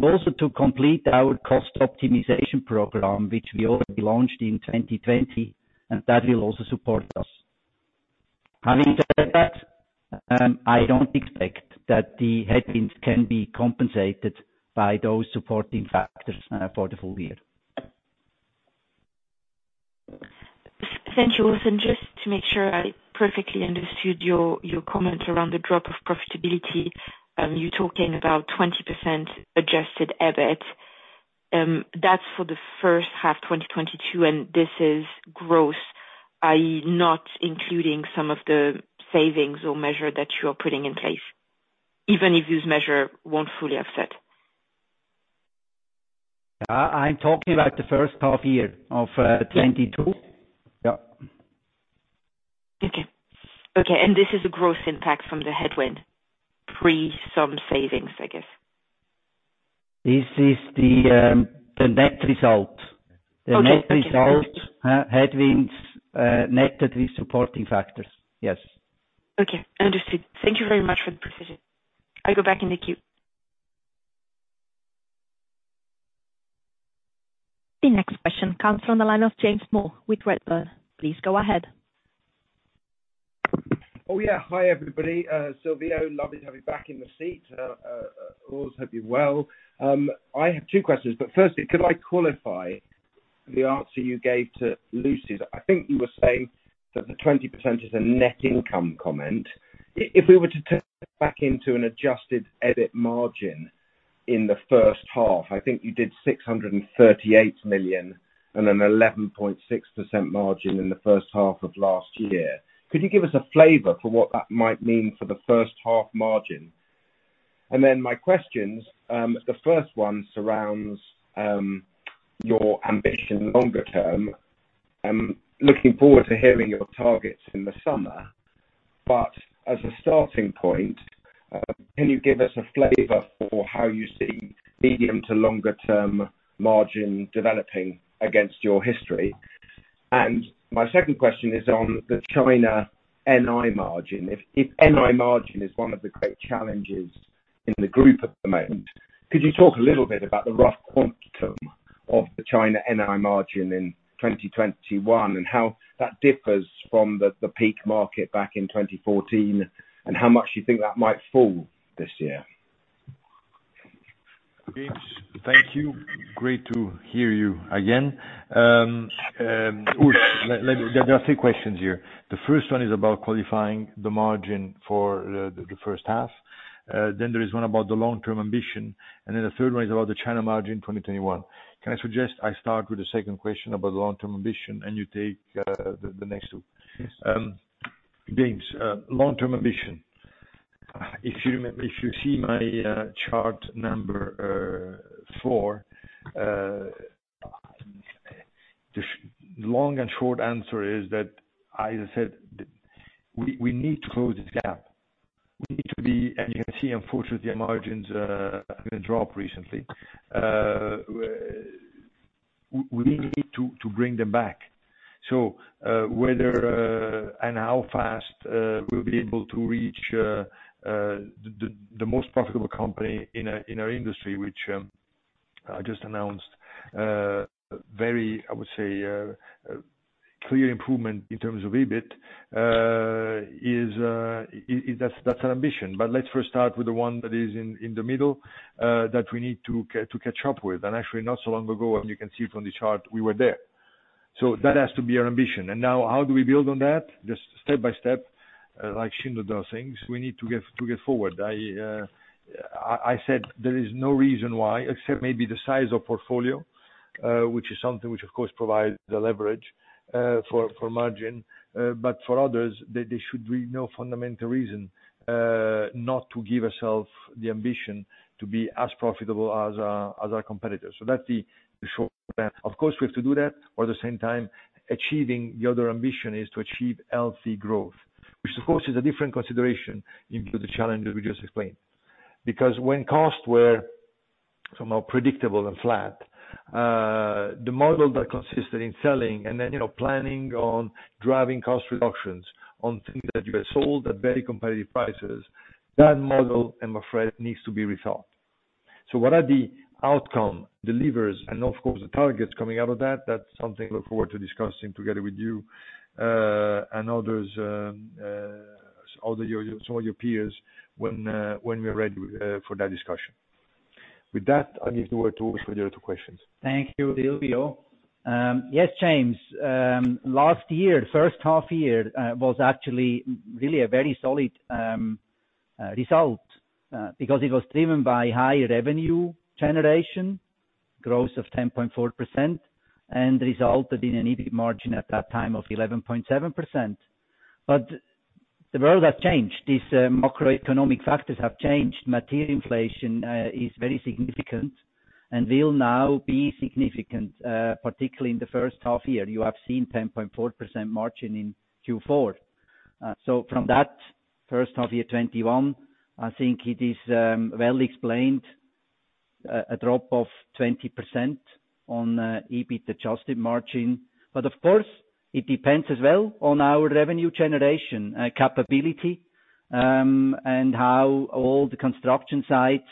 D: Also to complete our cost optimization program, which we already launched in 2020, and that will also support us. Having said that, I don't expect that the headwinds can be compensated by those supporting factors for the full year.
F: Thank you. Just to make sure I perfectly understood your comment around the drop of profitability, you're talking about 20% adjusted EBIT. That's for the first half, 2022, and this is growth, i.e., not including some of the savings or measure that you're putting in place, even if this measure won't fully offset.
D: I'm talking about the first half year of 2022. Yeah.
F: Okay. This is a growth impact from the headwind, pre some savings, I guess.
D: This is the net result.
F: Okay.
D: The net result, headwinds, net of the supporting factors. Yes.
F: Okay. Understood. Thank you very much for the precision. I go back in the queue.
A: The next question comes from the line of James Moore with Redburn. Please go ahead.
G: Oh, yeah. Hi, everybody. Silvio, lovely to have you back in the seat. Always hope you're well. I have two questions, but firstly, could I qualify the answer you gave to Lucie? I think you were saying that the 20% is a net income comment. If we were to turn it back into an adjusted EBIT margin in the first half, I think you did 638 million and an 11.6% margin in the first half of last year. Could you give us a flavor for what that might mean for the first half margin? My questions, the first one surrounds your ambition longer term. I'm looking forward to hearing your targets in the summer. As a starting point, can you give us a flavor for how you see medium to longer term margin developing against your history? My second question is on the China NI margin. If NI margin is one of the great challenges in the group at the moment, could you talk a little bit about the rough quantum of the China NI margin in 2021 and how that differs from the peak market back in 2014, and how much do you think that might fall this year?
C: James, thank you. Great to hear you again. Urs, let me. There are three questions here. The first one is about qualifying the margin for the first half. Then there is one about the long-term ambition, and then the third one is about the China margin, 2021. Can I suggest I start with the second question about the long-term ambition, and you take the next two?
D: Yes.
C: James, long-term ambition. If you see my chart number four, the short and long answer is that I said we need to close this gap. We need to be. You can see, unfortunately, our margins have dropped recently. We need to bring them back. Whether and how fast we'll be able to reach the most profitable company in our industry, which I just announced very, I would say, clear improvement in terms of EBIT, is that's our ambition. Let's first start with the one that is in the middle that we need to catch up with. Actually, not so long ago, and you can see from the chart, we were there. That has to be our ambition. Now how do we build on that? Just step by step, like Schindler does things, we need to get forward. I said there is no reason why, except maybe the size of portfolio. Which is something which of course provides the leverage for margin, but for others, there should be no fundamental reason not to give ourselves the ambition to be as profitable as our competitors. That's the short of that. Of course, we have to do that, while at the same time, achieving the other ambition is to achieve LC growth, which of course is a different consideration into the challenges we just explained. Because when costs were somehow predictable and flat, the model that consisted in selling and then, you know, planning on driving cost reductions on things that you had sold at very competitive prices, that model, I'm afraid, needs to be rethought. What are the outcomes, deliverables, and of course, the targets coming out of that? That's something I look forward to discussing together with you and others, some of your peers when we're ready for that discussion. With that, I give the word to Urs with your two questions.
D: Thank you, Silvio. Yes, James. Last year, first half year, was actually really a very solid result, because it was driven by high revenue generation, growth of 10.4%, and resulted in an EBIT margin at that time of 11.7%. The world has changed. These macroeconomic factors have changed. Material inflation is very significant and will now be significant, particularly in the first half year. You have seen 10.4% margin in Q4. From that first half year 2021, I think it is, well explained, a drop of 20% on EBIT-adjusted margin. Of course, it depends as well on our revenue generation capability, and how all the construction sites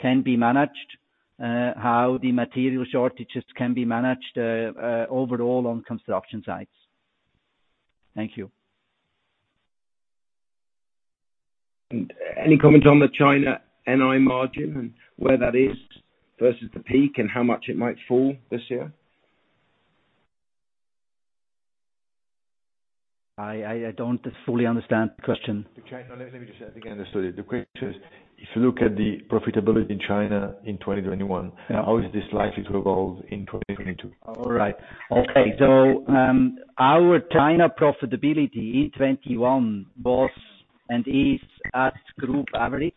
D: can be managed, how the material shortages can be managed, overall on construction sites. Thank you.
G: Any comment on the China NI margin and where that is versus the peak and how much it might fall this year?
D: I don't fully understand the question.
C: The question is, if you look at the profitability in China in 2021, how is this likely to evolve in 2022?
D: Our China profitability in 2021 was and is at group average.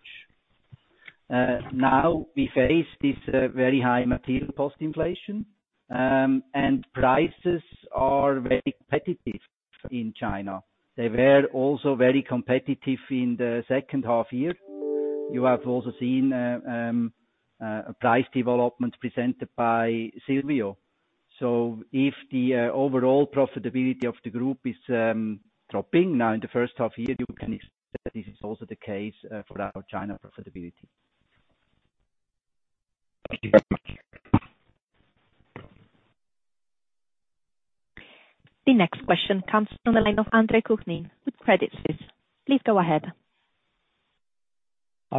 D: Now we face this very high material cost inflation, and prices are very competitive in China. They were also very competitive in the second half year. You have also seen price developments presented by Silvio. If the overall profitability of the group is dropping now in the first half year, you can expect that this is also the case for our China profitability.
G: Thank you very much.
A: The next question comes from the line of Andre Kukhnin with Credit Suisse. Please go ahead.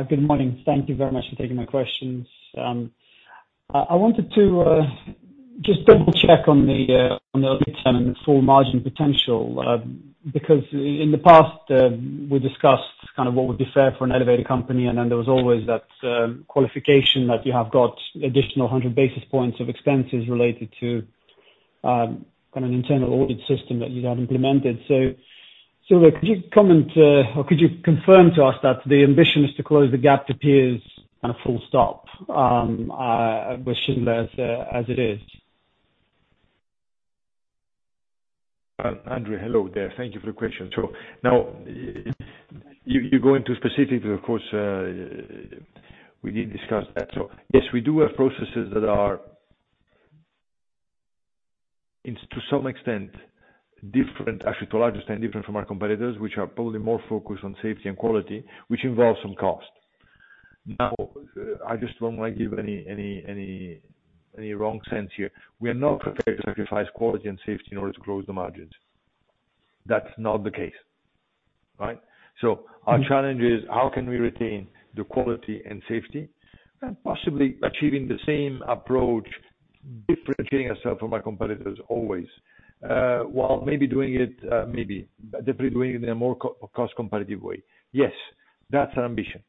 H: Good morning. Thank you very much for taking my questions. I wanted to just double-check on the EBIT and the full margin potential, because in the past, we discussed kind of what would be fair for an elevator company, and then there was always that qualification that you have got additional 100 basis points of expenses related to kind of an internal audit system that you have implemented. Silvio, could you comment or could you confirm to us that the ambition is to close the gap to peers and full stop with Schindler as it is?
C: Andre, hello there. Thank you for the question. Now you're going into specifics, of course, we need to discuss that. Yes, we do have processes that are, to some extent, different, actually to a large extent, different from our competitors, which are probably more focused on safety and quality, which involves some cost. Now, I just don't wanna give any wrong sense here. We are not prepared to sacrifice quality and safety in order to close the margins. That's not the case. Right? Our challenge is how can we retain the quality and safety and possibly achieving the same approach, differentiating ourselves from our competitors always, while maybe doing it, maybe, but definitely doing it in a more cost competitive way. Yes, that's our ambition.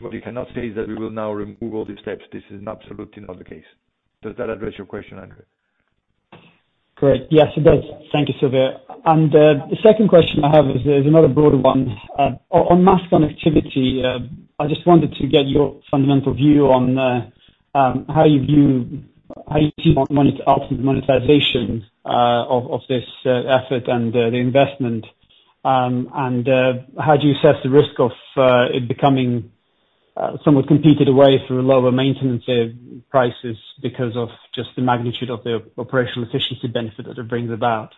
C: What we cannot say is that we will now remove all these steps. This is absolutely not the case. Does that address your question, Andre?
H: Great. Yes, it does. Thank you, Silvio. The second question I have is another broad one. On MaaS connectivity, I just wanted to get your fundamental view on how you view, how you see ultimately the monetization of this effort and the investment. How do you assess the risk of it becoming somewhat competed away through lower maintenance prices because of just the magnitude of the operational efficiency benefit that it brings about?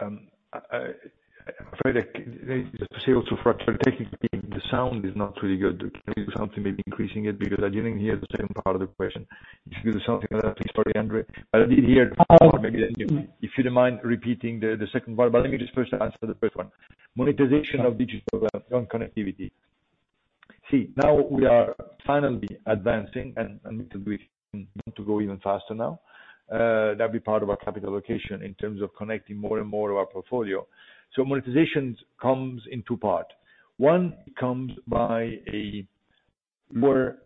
C: I'm afraid I can't. Can you just say it? Also, actually, technically the sound is not really good. Can you do something, maybe increasing it? Because I didn't hear the second part of the question. If you could do something like that, please. Sorry, Andre Kukhnin. I did hear the first part. Maybe then you, if you don't mind repeating the second part. Let me just first answer the first one. Monetization of digital growth on connectivity. See, now we are finally advancing, and we want to go even faster now. That'll be part of our capital allocation in terms of connecting more and more of our portfolio. Monetization comes in two parts. One comes by lower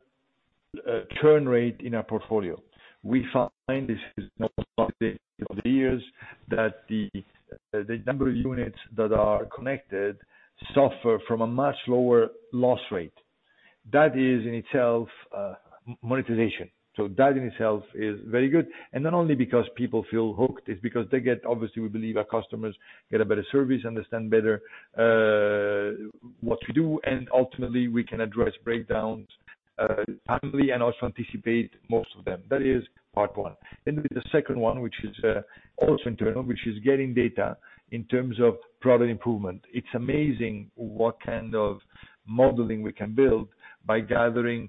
C: churn rate in our portfolio. We find this is over the years that the number of units that are connected suffer from a much lower loss rate. That is in itself, monetization. That in itself is very good. Not only because people feel hooked, it's because they get obviously we believe our customers get a better service, understand better, what we do, and ultimately we can address breakdowns, timely and also anticipate most of them. That is part one. The second one, which is also internal, which is getting data in terms of product improvement. It's amazing what kind of modeling we can build by gathering,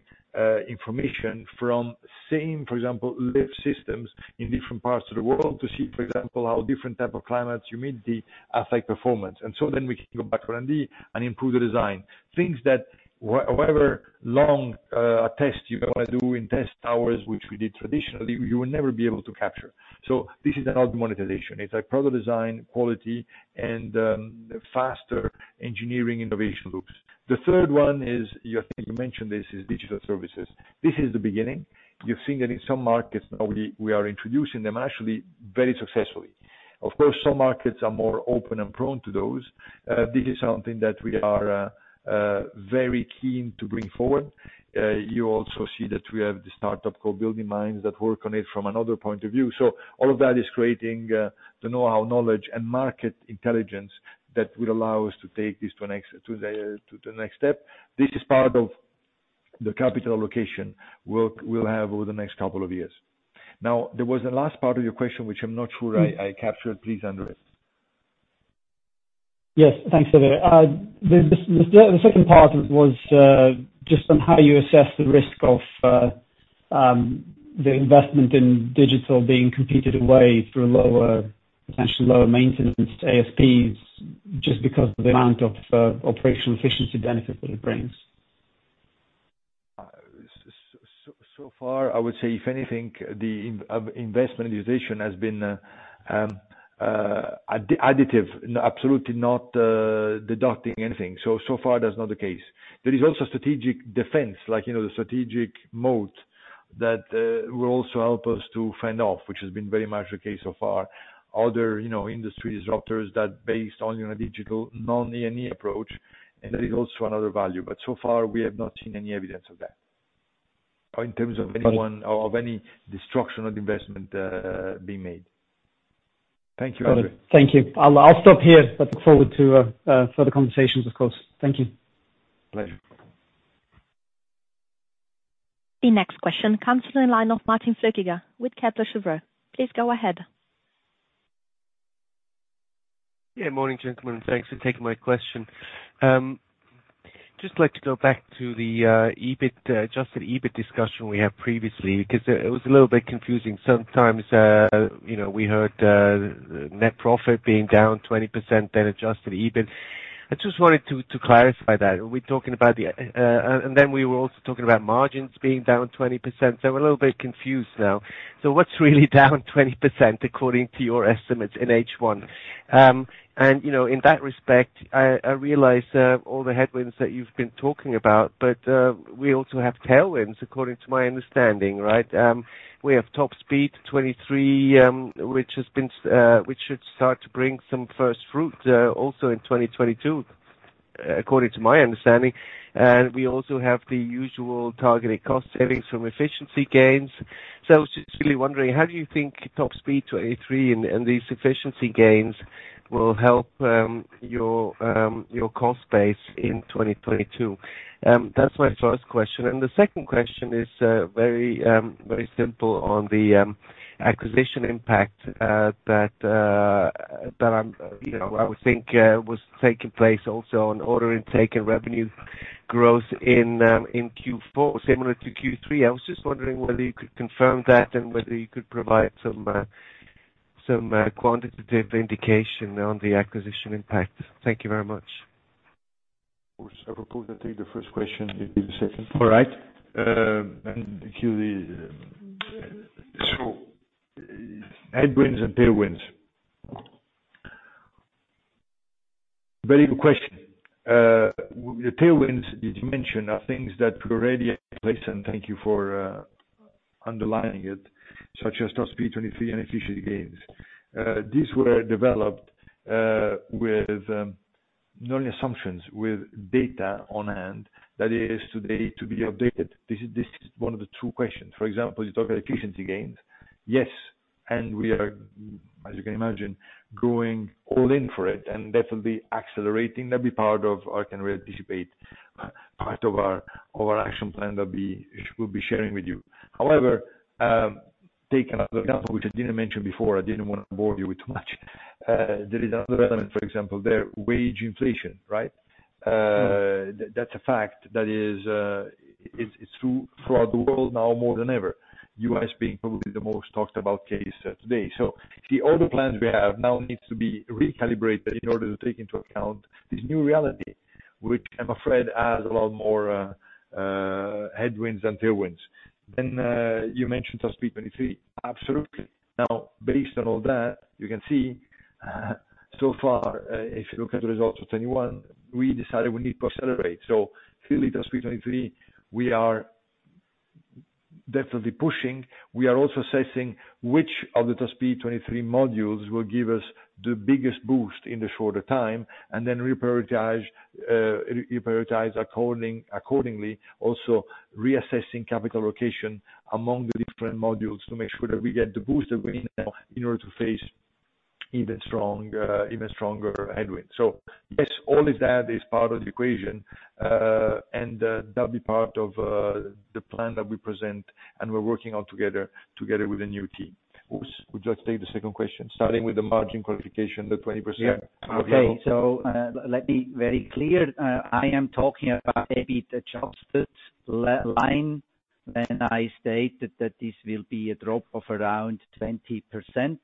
C: information from same, for example, lift systems in different parts of the world to see, for example, how different type of climates, humidity affect performance. We can go back R&D and improve the design. Things that, however long a test you wanna do in test hours, which we did traditionally, you will never be able to capture. This is another monetization. It's like product design, quality, and faster engineering innovation loops. The third one is, I think you mentioned this, is digital services. This is the beginning. You're seeing it in some markets now we are introducing them, and actually very successfully. Of course, some markets are more open and prone to those. This is something that we are very keen to bring forward. You also see that we have the startup called BuildingMinds that work on it from another point of view. All of that is creating the know-how knowledge and market intelligence that will allow us to take this to the next step. This is part of the capital allocation work we'll have over the next couple of years. Now, there was a last part of your question, which I'm not sure I captured. Please repeat it.
H: Yes. Thanks, Silvio. The second part was just on how you assess the risk of the investment in digital being competed away through lower, potentially lower maintenance ASPs just because of the amount of operational efficiency benefit that it brings.
C: So far, I would say if anything, the investment digitization has been additive, absolutely not deducting anything. So far, that's not the case. There is also strategic defense, the strategic moat that will also help us to fend off, which has been very much the case so far. Industry disruptors that base only on digital, non-OEM approach, and that is also another value. So far, we have not seen any evidence of that or in terms of any disruption of investment being made. Thank you.
H: Got it. Thank you. I'll stop here, but I look forward to further conversations, of course. Thank you.
C: Pleasure.
A: The next question comes from Martin Flueckiger with Kepler Cheuvreux. Please go ahead.
I: Yeah, morning, gentlemen. Thanks for taking my question. Just like to go back to the EBIT, adjusted EBIT discussion we had previously because it was a little bit confusing. Sometimes, you know, we heard net profit being down 20%, then adjusted EBIT. I just wanted to clarify that. Are we talking about the and then we were also talking about margins being down 20%. I'm a little bit confused now. What's really down 20% according to your estimates in H1? You know, in that respect, I realize all the headwinds that you've been talking about, but we also have tailwinds according to my understanding, right? We have Top Speed 2023, which should start to bring some first fruit, also in 2022, according to my understanding. We also have the usual targeted cost savings from efficiency gains. I was just really wondering, how do you think Top Speed 2023 and these efficiency gains will help your cost base in 2022? That's my first question. The second question is very simple on the acquisition impact that I'm, you know, I would think was taking place also on order intake and revenue growth in Q4, similar to Q3. I was just wondering whether you could confirm that and whether you could provide some quantitative indication on the acquisition impact. Thank you very much.
C: Of course. I will probably take the first question. You take the second.
I: All right.
C: Actually, headwinds and tailwinds. Very good question. The tailwinds you mentioned are things that were already in place, and thank you for underlining it, such as Top Speed 2023 and efficiency gains. These were developed with not only assumptions, with data on hand that is today to be updated. This is one of the two questions. For example, you talk about efficiency gains. Yes, and we are, as you can imagine, going all in for it, and that will be accelerating. That'll be part of how can we anticipate part of our action plan that we'll be sharing with you. However, take another example, which I didn't mention before. I didn't wanna bore you with too much. There is another element, for example, the wage inflation, right? That's a fact. That is, it's true throughout the world now more than ever. U.S. being probably the most talked about case today. See, all the plans we have now needs to be recalibrated in order to take into account this new reality, which I'm afraid adds a lot more headwinds than tailwinds. Then, you mentioned Top Speed 2023. Absolutely. Now, based on all that, you can see, so far, if you look at the results of 2021, we decided we need to accelerate. If you look at Top Speed 2023, we are. That's what we're pushing. We are also assessing which of the Top Speed 2023 modules will give us the biggest boost in the shorter time, and then reprioritize accordingly, also reassessing capital allocation among the different modules to make sure that we get the boost that we need now in order to face even stronger headwinds. Yes, all of that is part of the equation, and that'll be part of the plan that we present, and we're working all together with a new team. Urs, would you like to take the second question? Starting with the margin qualification, the 20%.
D: Let me be very clear. I am talking about maybe the adjusted P&L when I stated that this will be a drop of around 20%.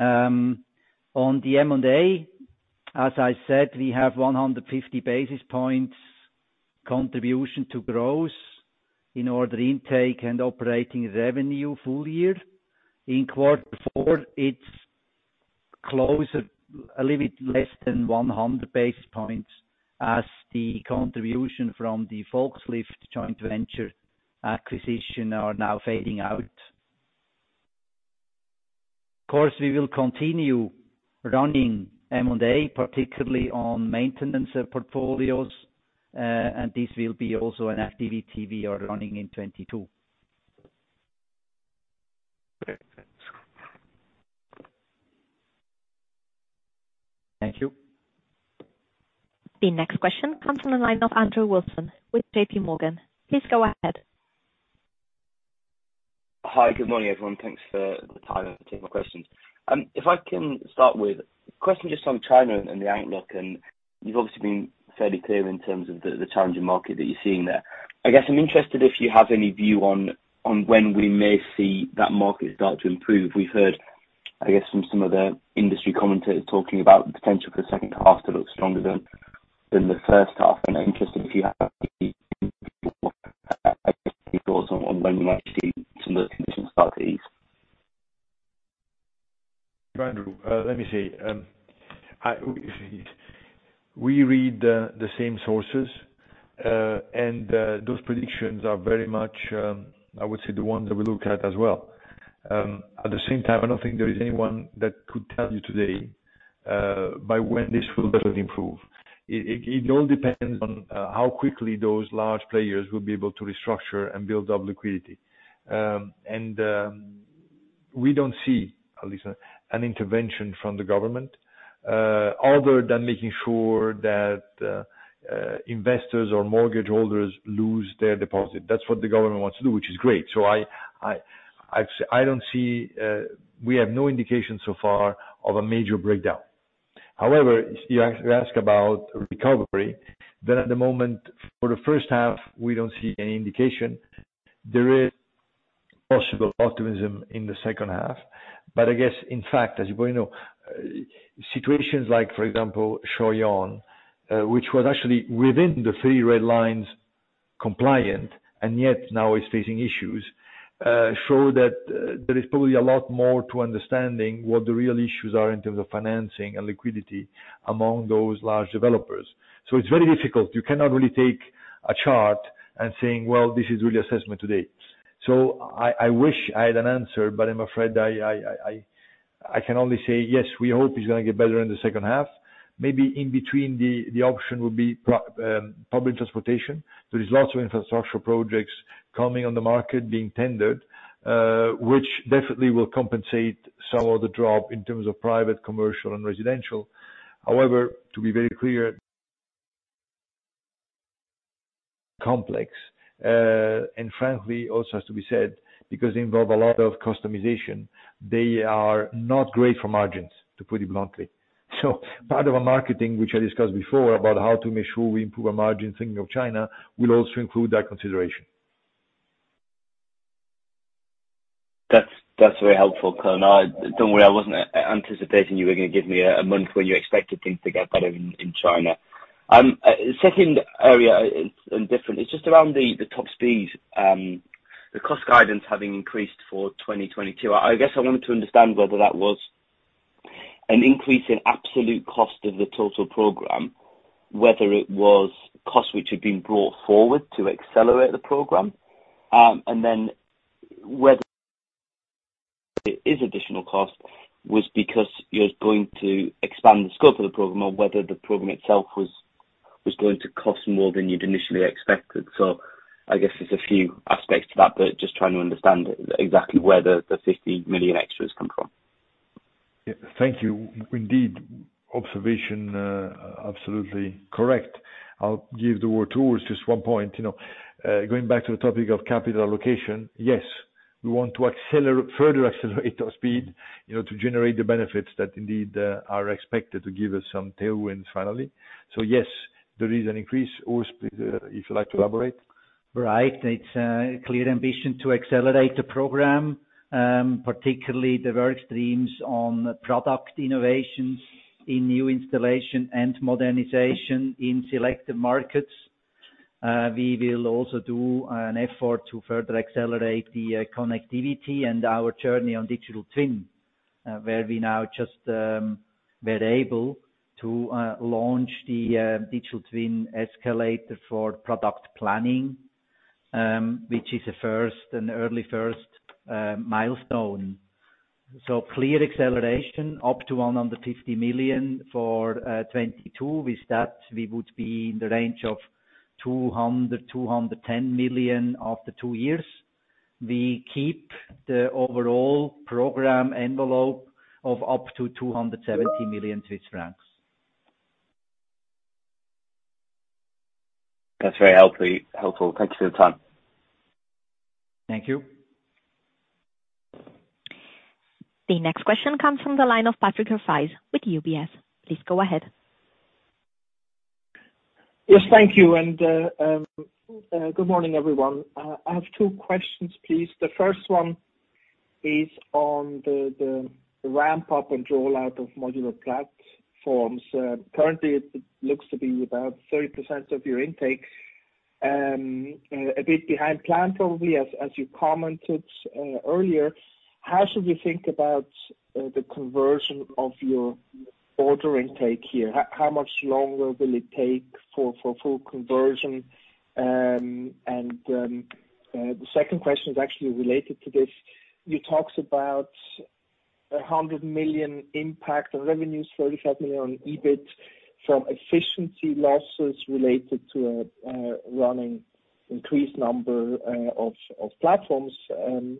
D: On the M&A, as I said, we have 150 basis points contribution to growth in order intake and operating revenue full year. In quarter four, it's closer, a little bit less than 100 basis points as the contribution from the forklift joint venture acquisition are now fading out. Of course, we will continue running M&A, particularly on maintenance portfolios, and this will be also an activity we are running in 2022.
I: Great. Thanks.
D: Thank you.
A: The next question comes from the line of Andrew Wilson with JPMorgan. Please go ahead.
J: Hi, good morning, everyone. Thanks for the time to take my questions. If I can start with question just on China and the outlook, and you've obviously been fairly clear in terms of the challenging market that you're seeing there. I guess I'm interested if you have any view on when we may see that market start to improve. We've heard, I guess, from some of the industry commentators talking about the potential for the second half to look stronger than the first half. I'm interested if you have any thoughts on when we might see some of the conditions start to ease.
C: Andrew, let me see. We read the same sources, and those predictions are very much, I would say, the ones that we look at as well. At the same time, I don't think there is anyone that could tell you today by when this will definitely improve. It all depends on how quickly those large players will be able to restructure and build up liquidity. We don't see at least an intervention from the government other than making sure that investors or mortgage holders don't lose their deposit. That's what the government wants to do, which is great. I don't see. We have no indication so far of a major breakdown. However, if you ask about recovery, then at the moment, for the first half, we don't see any indication. There is possible optimism in the second half. I guess, in fact, as you well know, situations like, for example, Shimao, which was actually within the three red lines compliant, and yet now is facing issues, show that there is probably a lot more to understanding what the real issues are in terms of financing and liquidity among those large developers. It's very difficult. You cannot really take a chart and saying, well, this is really assessment today. I wish I had an answer, but I'm afraid I can only say, yes, we hope it's gonna get better in the second half. Maybe in between, the option would be public transportation. There is lots of infrastructure projects coming on the market being tendered, which definitely will compensate some of the drop in terms of private, commercial, and residential. However, to be very clear, complex, and frankly, also has to be said, because they involve a lot of customization, they are not great for margins, to put it bluntly. Part of our marketing, which I discussed before, about how to make sure we improve our margins thinking of China, will also include that consideration.
J: That's very helpful, Silvio. Don't worry, I wasn't anticipating you were gonna give me a month when you expected things to get better in China. Second area and different, it's just around the Top Speed 2023, the cost guidance having increased for 2022. I guess I wanted to understand whether that was an increase in absolute cost of the total program, whether it was costs which had been brought forward to accelerate the program, and then whether the additional cost was because you're going to expand the scope of the program or whether the program itself was going to cost more than you'd initially expected. I guess there's a few aspects to that, but just trying to understand exactly where the 50 million extras come from.
C: Thank you. Indeed. Observation absolutely correct. I'll give the tools. Just one point, you know. Going back to the topic of capital allocation, yes, we want to accelerate, further accelerate our speed, you know, to generate the benefits that indeed are expected to give us some tailwinds finally. Yes, there is an increase. Urs, please, if you like to elaborate.
D: Right. It's a clear ambition to accelerate the program, particularly the work streams on product innovations in new installation and modernization in selected markets. We will also do an effort to further accelerate the connectivity and our journey on digital twin, where we now just were able to launch the digital twin escalator for product planning, which is an early first milestone. Clear acceleration up to 150 million for 2022. With that we would be in the range of 210 million after two years. We keep the overall program envelope of up to 270 million Swiss francs.
J: That's very healthy. Helpful. Thank you for your time.
D: Thank you.
A: The next question comes from the line of Patrick Rafaisz with UBS. Please go ahead.
K: Yes, thank you. Good morning, everyone. I have two questions, please. The first one is on the ramp up and rollout of modular platforms. Currently it looks to be about 30% of your intake and a bit behind plan probably as you commented earlier. How should we think about the conversion of your order intake here? How much longer will it take for full conversion? The second question is actually related to this. You talked about a 100 million impact on revenues, 35 million on EBIT from efficiency losses related to running increased number of platforms in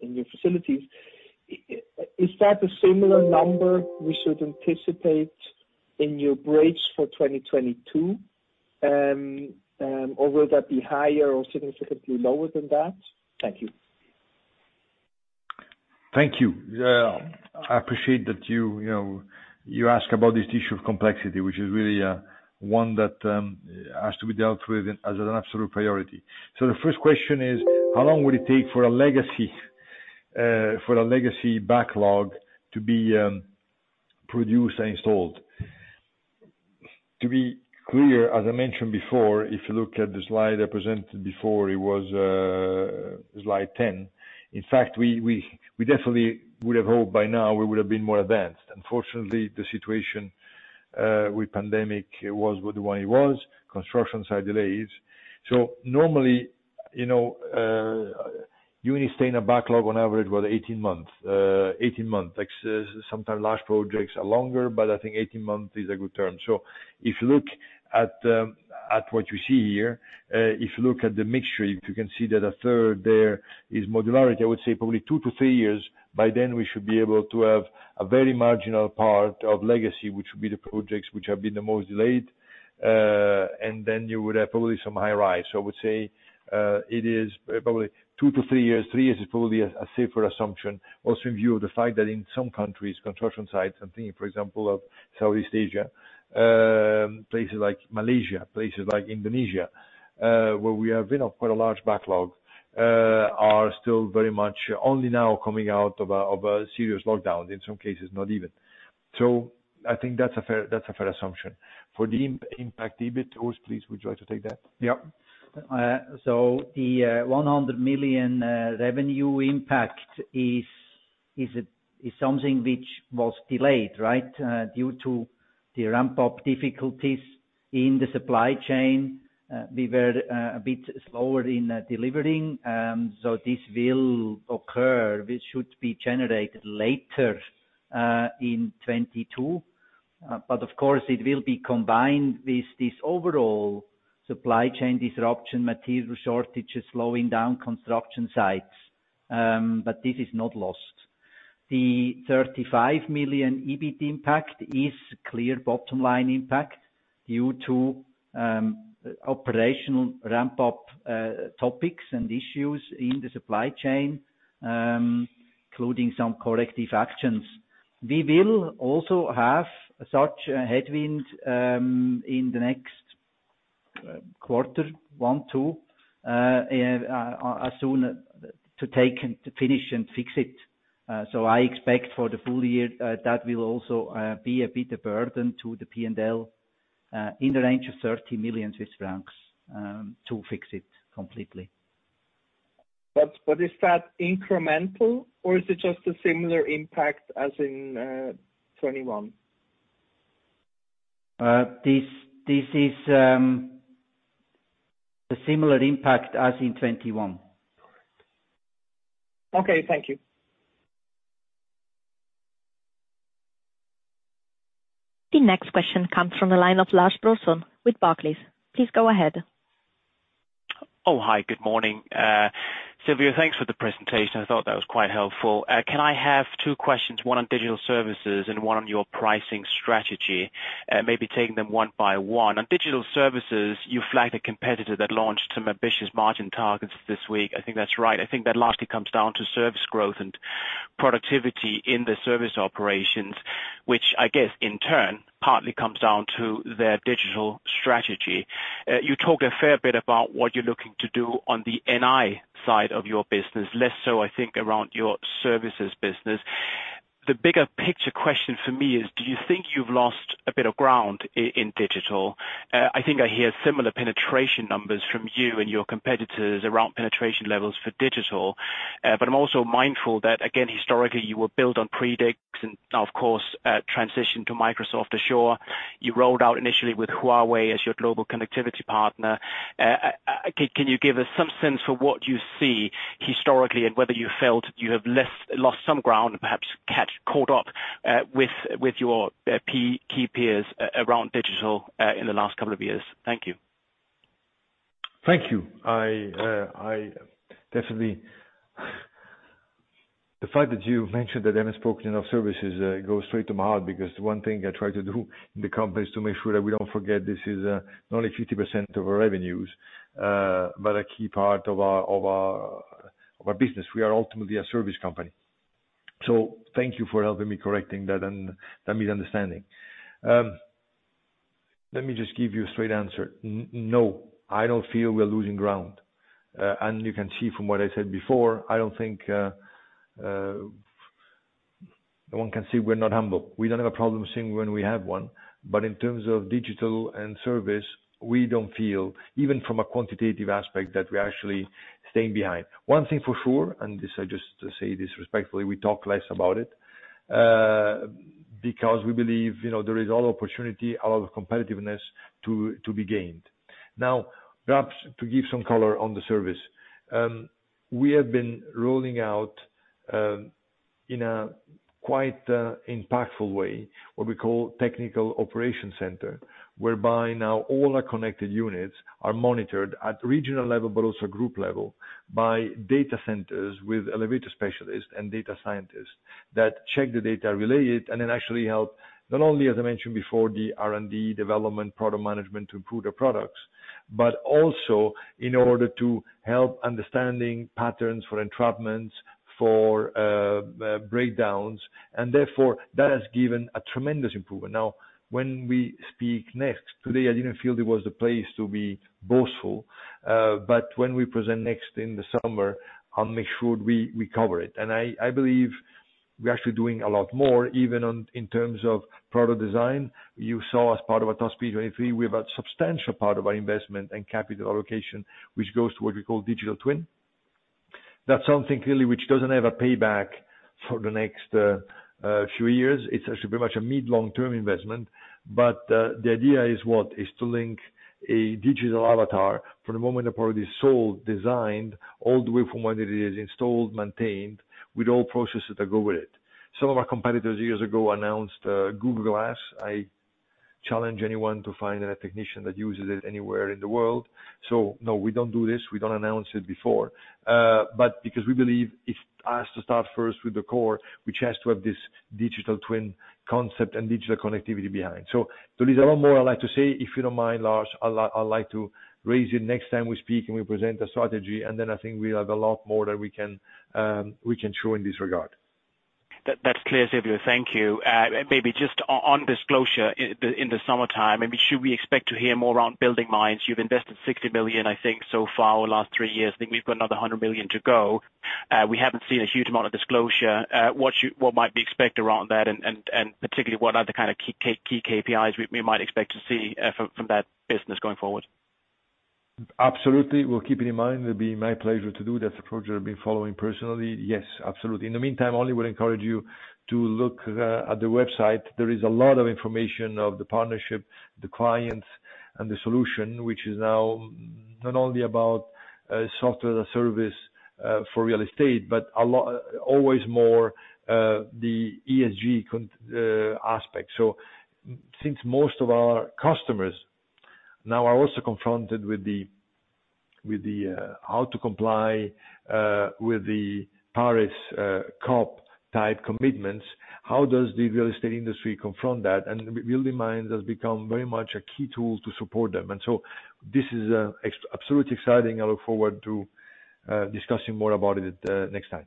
K: your facilities. Is that a similar number we should anticipate in your bridge for 2022? Or will that be higher or significantly lower than that? Thank you.
C: Thank you. I appreciate that you know you ask about this issue of complexity, which is really one that has to be dealt with as an absolute priority. The first question is how long will it take for a legacy backlog to be produced and installed? To be clear, as I mentioned before, if you look at the slide I presented before, it was Slide 10. In fact, we definitely would have hoped by now we would have been more advanced. Unfortunately, the situation with pandemic was what it was. Construction site delays. Normally, you know, you only stay in a backlog on average about 18 months. 18 months. Like, sometimes large projects are longer, but I think 18 months is a good term. If you look at the mixture, you can see that a third there is modularity. I would say probably two to three years. By then we should be able to have a very marginal part of legacy, which would be the projects which have been the most delayed. And then you would have probably some high rise. I would say it is probably two to three years. Three years is probably a safer assumption. Also in view of the fact that in some countries, construction sites, I'm thinking, for example, of Southeast Asia, places like Malaysia, places like Indonesia, where we have, you know, quite a large backlog, are still very much only now coming out of a serious lockdown, in some cases, not even. I think that's a fair assumption. For the impact, EBIT, Urs Scheidegger, please, would you like to take that?
D: Yeah. So the 100 million revenue impact is something which was delayed, right? Due to the ramp up difficulties in the supply chain, we were a bit slower in delivering, so this will occur. This should be generated later in 2022. Of course it will be combined with this overall supply chain disruption, material shortages, slowing down construction sites, but this is not lost. The 35 million EBIT impact is clear bottom line impact due to operational ramp up topics and issues in the supply chain, including some corrective actions. We will also have such a headwind in the next quarter, one, two actions to take and to finish and fix it. I expect for the full year that will also be a bit of a burden to the P&L in the range of 30 million Swiss francs to fix it completely.
K: Is that incremental or is it just a similar impact as in 2021?
D: This is a similar impact as in 2021.
K: Okay, thank you.
A: The next question comes from the line of Lars Brorson with Barclays. Please go ahead.
L: Oh, hi. Good morning. Silvio, thanks for the presentation. I thought that was quite helpful. Can I have two questions, one on digital services and one on your pricing strategy? Maybe taking them one by one. On digital services, you flagged a competitor that launched some ambitious margin targets this week. I think that's right. I think that largely comes down to service growth and productivity in the service operations, which I guess in turn partly comes down to their digital strategy. You talked a fair bit about what you're looking to do on the NI side of your business, less so I think around your services business. The bigger picture question for me is, do you think you've lost a bit of ground in digital? I think I hear similar penetration numbers from you and your competitors around penetration levels for digital. But I'm also mindful that, again, historically, you were built on Predix and now, of course, transitioned to Microsoft Azure. You rolled out initially with Huawei as your global connectivity partner. Can you give us some sense for what you see historically and whether you felt you have lost some ground and perhaps caught up with your key peers around digital in the last couple of years? Thank you.
C: Thank you. I definitely. The fact that you mentioned that I haven't spoken enough about services goes straight to my heart, because one thing I try to do in the company is to make sure that we don't forget this is not only 50% of our revenues, but a key part of our business. We are ultimately a service company. So thank you for helping me correcting that and that misunderstanding. Let me just give you a straight answer. No, I don't feel we're losing ground. You can see from what I said before, I don't think one can say we're not humble. We don't have a problem saying when we have one. In terms of digital and service, we don't feel, even from a quantitative aspect, that we're actually staying behind. One thing for sure, and this I just say respectfully, we talk less about it, because we believe, you know, there is a lot of opportunity, a lot of competitiveness to be gained. Now, perhaps to give some color on the service. We have been rolling out, in a quite impactful way, what we call Technical Operations Center, whereby now all our connected units are monitored at regional level, but also group level by data centers with elevator specialists and data scientists that check the data related, and it actually help, not only, as I mentioned before, the R&D development product management to improve their products, but also in order to help understanding patterns for entrapments, for breakdowns, and therefore, that has given a tremendous improvement. Now, when we speak next, today, I didn't feel there was the place to be boastful, but when we present next in the summer, I'll make sure we cover it. I believe we're actually doing a lot more even on in terms of product design. You saw as part of our Top Speed 2023, we have a substantial part of our investment and capital allocation, which goes to what we call digital twin. That's something clearly which doesn't have a payback for the next few years. It's actually pretty much a mid long term investment. The idea is to link a digital avatar from the moment the product is sold, designed, all the way from when it is installed, maintained, with all processes that go with it. Some of our competitors years ago announced Google Glass. I challenge anyone to find a technician that uses it anywhere in the world. No, we don't do this. We don't announce it before. Because we believe it has to start first with the core, which has to have this digital twin concept and digital connectivity behind. There is a lot more I'd like to say, if you don't mind, Lars. I'd like to raise it next time we speak and we present a strategy, and then I think we'll have a lot more that we can show in this regard.
L: That, that's clear, Silvio. Thank you. Maybe just on disclosure in the summertime, maybe should we expect to hear more around BuildingMinds? You've invested 60 million, I think so far over the last three years. I think we've got another 100 million to go. We haven't seen a huge amount of disclosure. What might be expected around that and particularly what other kind of key KPIs we might expect to see from that business going forward?
C: Absolutely. We'll keep it in mind. It'll be my pleasure to do. That's a project I've been following personally. Yes, absolutely. In the meantime, I only would encourage you to look at the website. There is a lot of information of the partnership, the clients and the solution, which is now not only about software as a service for real estate, but a lot always more the ESG context aspect. Since most of our customers now are also confronted with the how to comply with the Paris COP-type commitments, how does the real estate industry confront that? BuildingMinds has become very much a key tool to support them. This is absolutely exciting. I look forward to discussing more about it next time.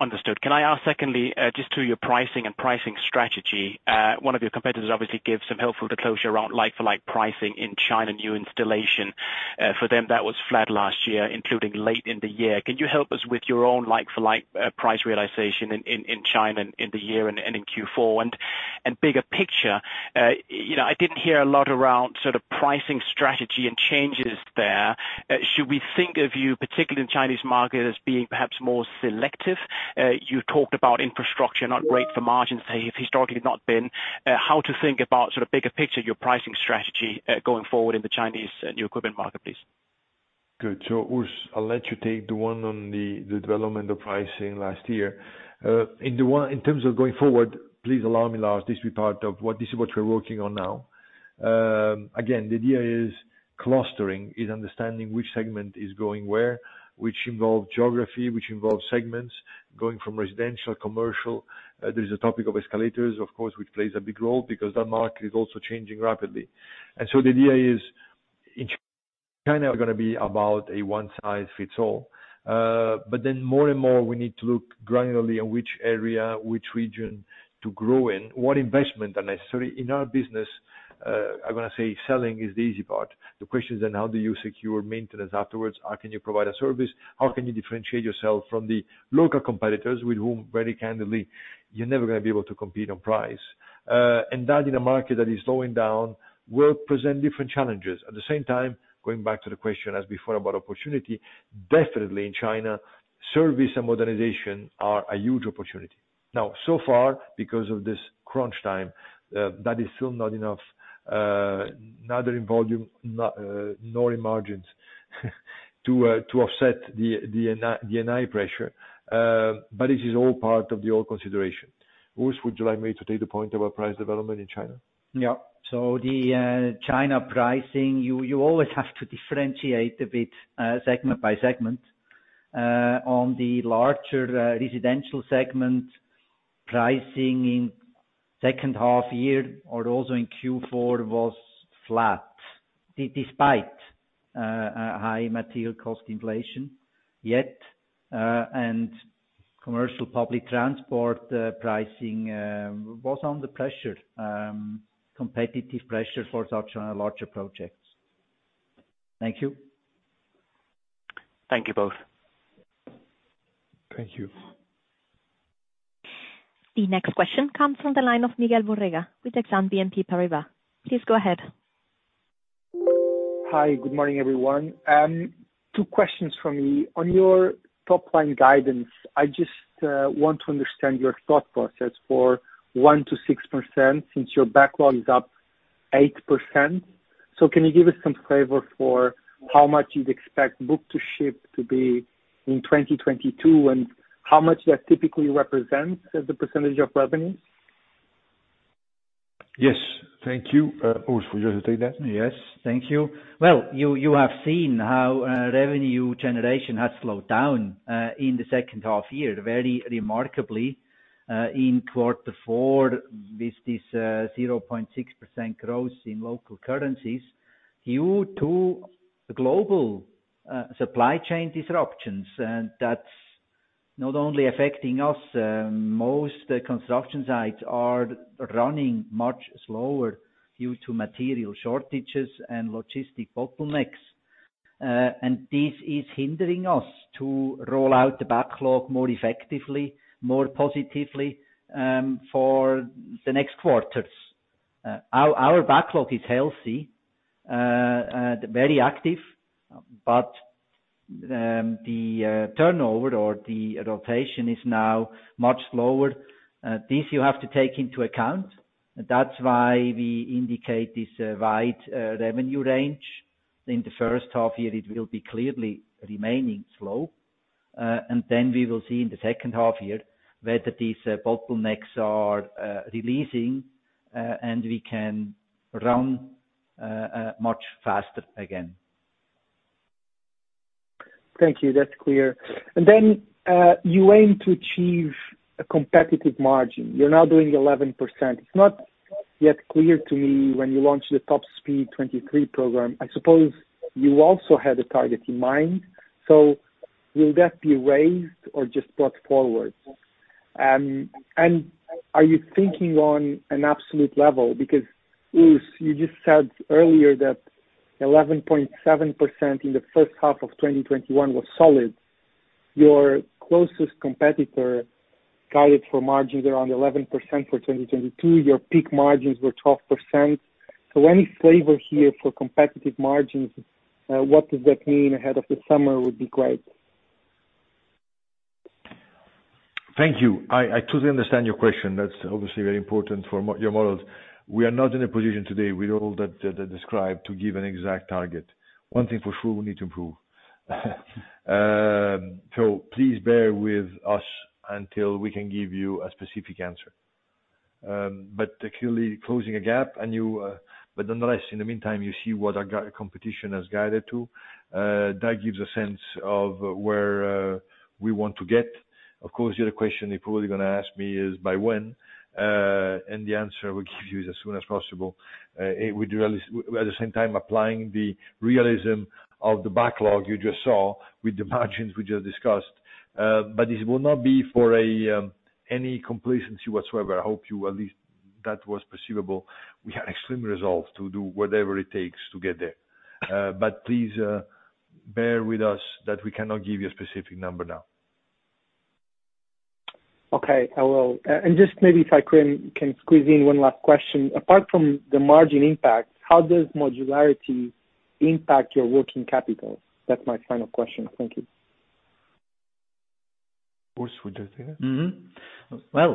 L: Understood. Can I ask secondly, just to your pricing and pricing strategy, one of your competitors obviously gave some helpful disclosure around like for like pricing in China, new installation, for them that was flat last year, including late in the year. Can you help us with your own like for like, price realization in China in the year and in Q4? Bigger picture, you know, I didn't hear a lot around sort of pricing strategy and changes there. Should we think of you, particularly in Chinese market, as being perhaps more selective? You talked about infrastructure not great for margins. They have historically not been. How to think about sort of bigger picture, your pricing strategy, going forward in the Chinese new equipment market, please.
C: Good. Urs, I'll let you take the development of pricing last year. In terms of going forward, please allow me, Lars, this to be part of what this is what we're working on now. Again, the idea is clustering is understanding which segment is going where, which involve geography, which involve segments, going from residential, commercial. There is a topic of escalators, of course, which plays a big role because that market is also changing rapidly. The idea is in China, we're gonna be about a one size fits all. But then more and more we need to look granularly on which area, which region to grow in, what investment are necessary. In our business, I wanna say selling is the easy part. The question is then how do you secure maintenance afterwards? How can you provide a service? How can you differentiate yourself from the local competitors with whom very candidly, you're never gonna be able to compete on price. That in a market that is slowing down will present different challenges. At the same time, going back to the question as before about opportunity, definitely in China, service and modernization are a huge opportunity. Now, so far, because of this crunch time, that is still not enough, neither in volume, nor in margins to offset the NI pressure. But this is all part of the overall consideration. Urs, would you like me to take the point about price development in China?
D: Yeah. The China pricing, you always have to differentiate a bit segment by segment. On the larger residential segment, pricing in second half year or also in Q4 was flat despite a high material cost inflation. Yet, and commercial public transport pricing was under pressure, competitive pressure such as on a larger project. Thank you.
L: Thank you both.
C: Thank you.
A: The next question comes from the line of Miguel Borrega with Exane BNP Paribas. Please go ahead.
M: Hi, good morning, everyone. Two questions from me. On your top line guidance, I just want to understand your thought process for 1%-6% since your backlog is up 8%. Can you give us some flavor for how much you'd expect book-to-ship to be in 2022, and how much that typically represents as the percentage of revenue?
C: Yes. Thank you. Urs, would you like to take that?
D: Yes. Thank you. Well, you have seen how revenue generation has slowed down in the second half year, very remarkably, in quarter four with this 0.6% growth in local currencies due to global supply chain disruptions. That's not only affecting us. Most construction sites are running much slower due to material shortages and logistic bottlenecks. This is hindering us to roll out the backlog more effectively, more positively for the next quarters. Our backlog is healthy, very active, but the turnover or the rotation is now much slower. This you have to take into account. That's why we indicate this wide revenue range. In the first half year it will be clearly remaining slow. We will see in the second half year whether these bottlenecks are releasing and we can run much faster again.
M: Thank you. That's clear. You aim to achieve a competitive margin. You're now doing 11%. It's not yet clear to me when you launched the Top Speed 2023 program, I suppose you also had a target in mind. Will that be raised or just brought forward? Are you thinking on an absolute level? Because, Urs, you just said earlier that 11.7% in the first half of 2021 was solid. Your closest competitor guided for margins around 11% for 2022. Your peak margins were 12%. Any flavor here for competitive margins, what does that mean ahead of the summer would be great.
C: Thank you. I totally understand your question. That's obviously very important for your models. We are not in a position today with all that described to give an exact target. One thing for sure, we need to improve. Please bear with us until we can give you a specific answer. Clearly closing a gap and you, nonetheless, in the meantime, you see what our competition has guided to. That gives a sense of where we want to get. Of course, the other question you're probably gonna ask me is by when, and the answer we give you is as soon as possible. At the same time applying the realism of the backlog you just saw with the margins we just discussed. This will not be for any complacency whatsoever. I hope at least that was perceivable. We have extreme resolve to do whatever it takes to get there. Please bear with us that we cannot give you a specific number now.
M: Okay, I will. Just maybe if I can squeeze in one last question. Apart from the margin impact, how does modularity impact your working capital? That's my final question. Thank you.
C: Urs, would you take that?
D: Well,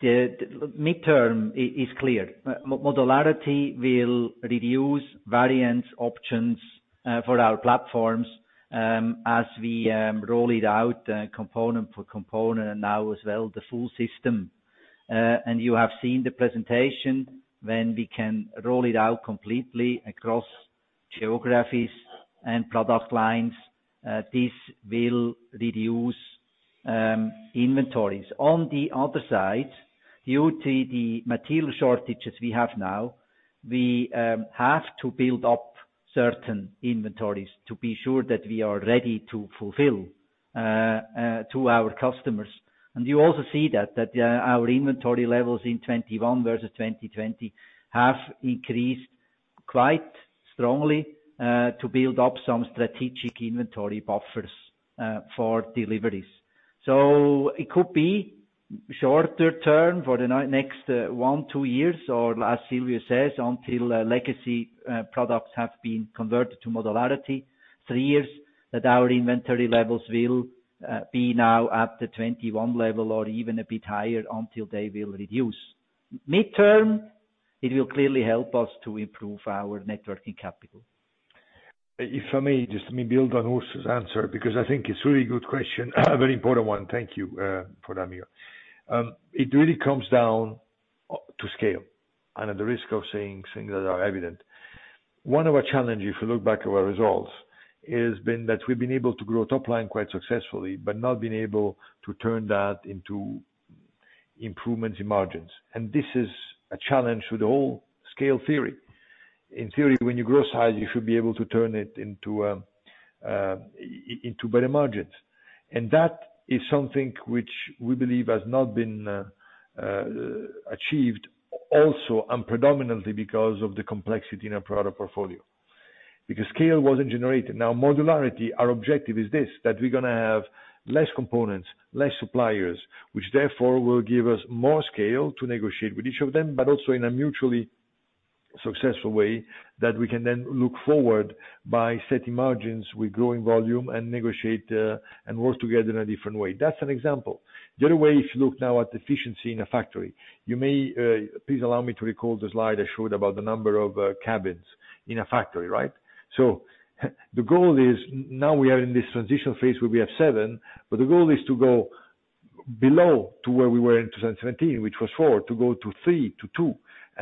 D: the midterm is clear. Modularity will reduce variance options for our platforms as we roll it out component for component and now as well the full system. You have seen the presentation, when we can roll it out completely across geographies and product lines, this will reduce inventories. On the other side, due to the material shortages we have now, we have to build up certain inventories to be sure that we are ready to fulfill to our customers. You also see that our inventory levels in 2021 versus 2020 have increased quite strongly to build up some strategic inventory buffers for deliveries. It could be shorter term for the NI next, one to two years or, as Silvio says, until legacy products have been converted to modularity, three years, that our inventory levels will now be at the 21 level or even a bit higher until they will reduce. Midterm, it will clearly help us to improve our Net Working Capital.
C: If I may just build on Urs' answer because I think it's a really good question, a very important one. Thank you for that, Miguel. It really comes down to scale, and at the risk of saying things that are evident. One of our challenges, if you look back at our results, has been that we've been able to grow top line quite successfully but not been able to turn that into improvements in margins. This is a challenge with the whole scale theory. In theory, when you grow size, you should be able to turn it into better margins. That is something which we believe has not been achieved also and predominantly because of the complexity in our product portfolio. Because scale wasn't generated. Now modularity, our objective is this, that we're gonna have less components, less suppliers, which therefore will give us more scale to negotiate with each of them, but also in a mutually successful way that we can then look forward by setting margins with growing volume and negotiate, and work together in a different way. That's an example. The other way, if you look now at efficiency in a factory, please allow me to recall the slide I showed about the number of cabins in a factory, right? The goal is now we are in this transition phase where we have seven, but the goal is to go below to where we were in 2017, which was four, to go to three, to two.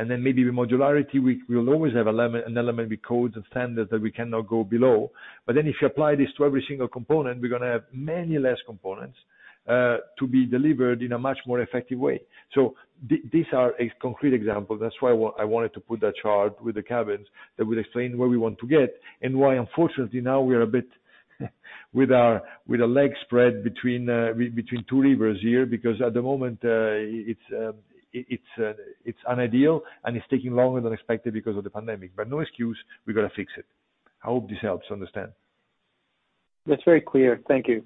C: Maybe with modularity, we'll always have an element with codes and standards that we cannot go below. If you apply this to every single component, we're gonna have many less components to be delivered in a much more effective way. These are a concrete example. That's why I wanted to put that chart with the cabins that will explain where we want to get and why unfortunately now we are a bit with a leg spread between two rivers here, because at the moment, it's unideal and it's taking longer than expected because of the pandemic. No excuse, we've got to fix it. I hope this helps understand.
M: That's very clear. Thank you.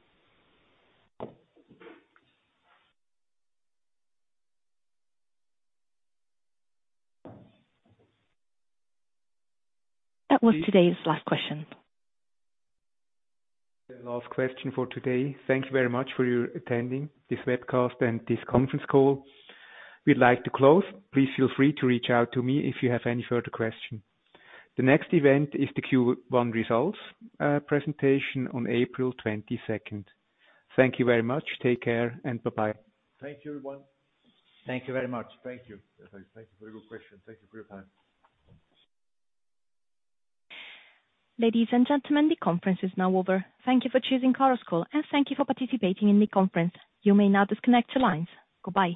A: That was today's last question.
B: The last question for today. Thank you very much for your attending this webcast and this conference call. We'd like to close. Please feel free to reach out to me if you have any further question. The next event is the Q1 results presentation on April 22. Thank you very much. Take care, and bye-bye.
C: Thank you, everyone.
D: Thank you very much. Thank you.
C: Thank you for your question. Thank you for your time.
A: Ladies and gentlemen, the conference is now over. Thank you for choosing Chorus Call, and thank you for participating in the conference. You may now disconnect your lines. Goodbye.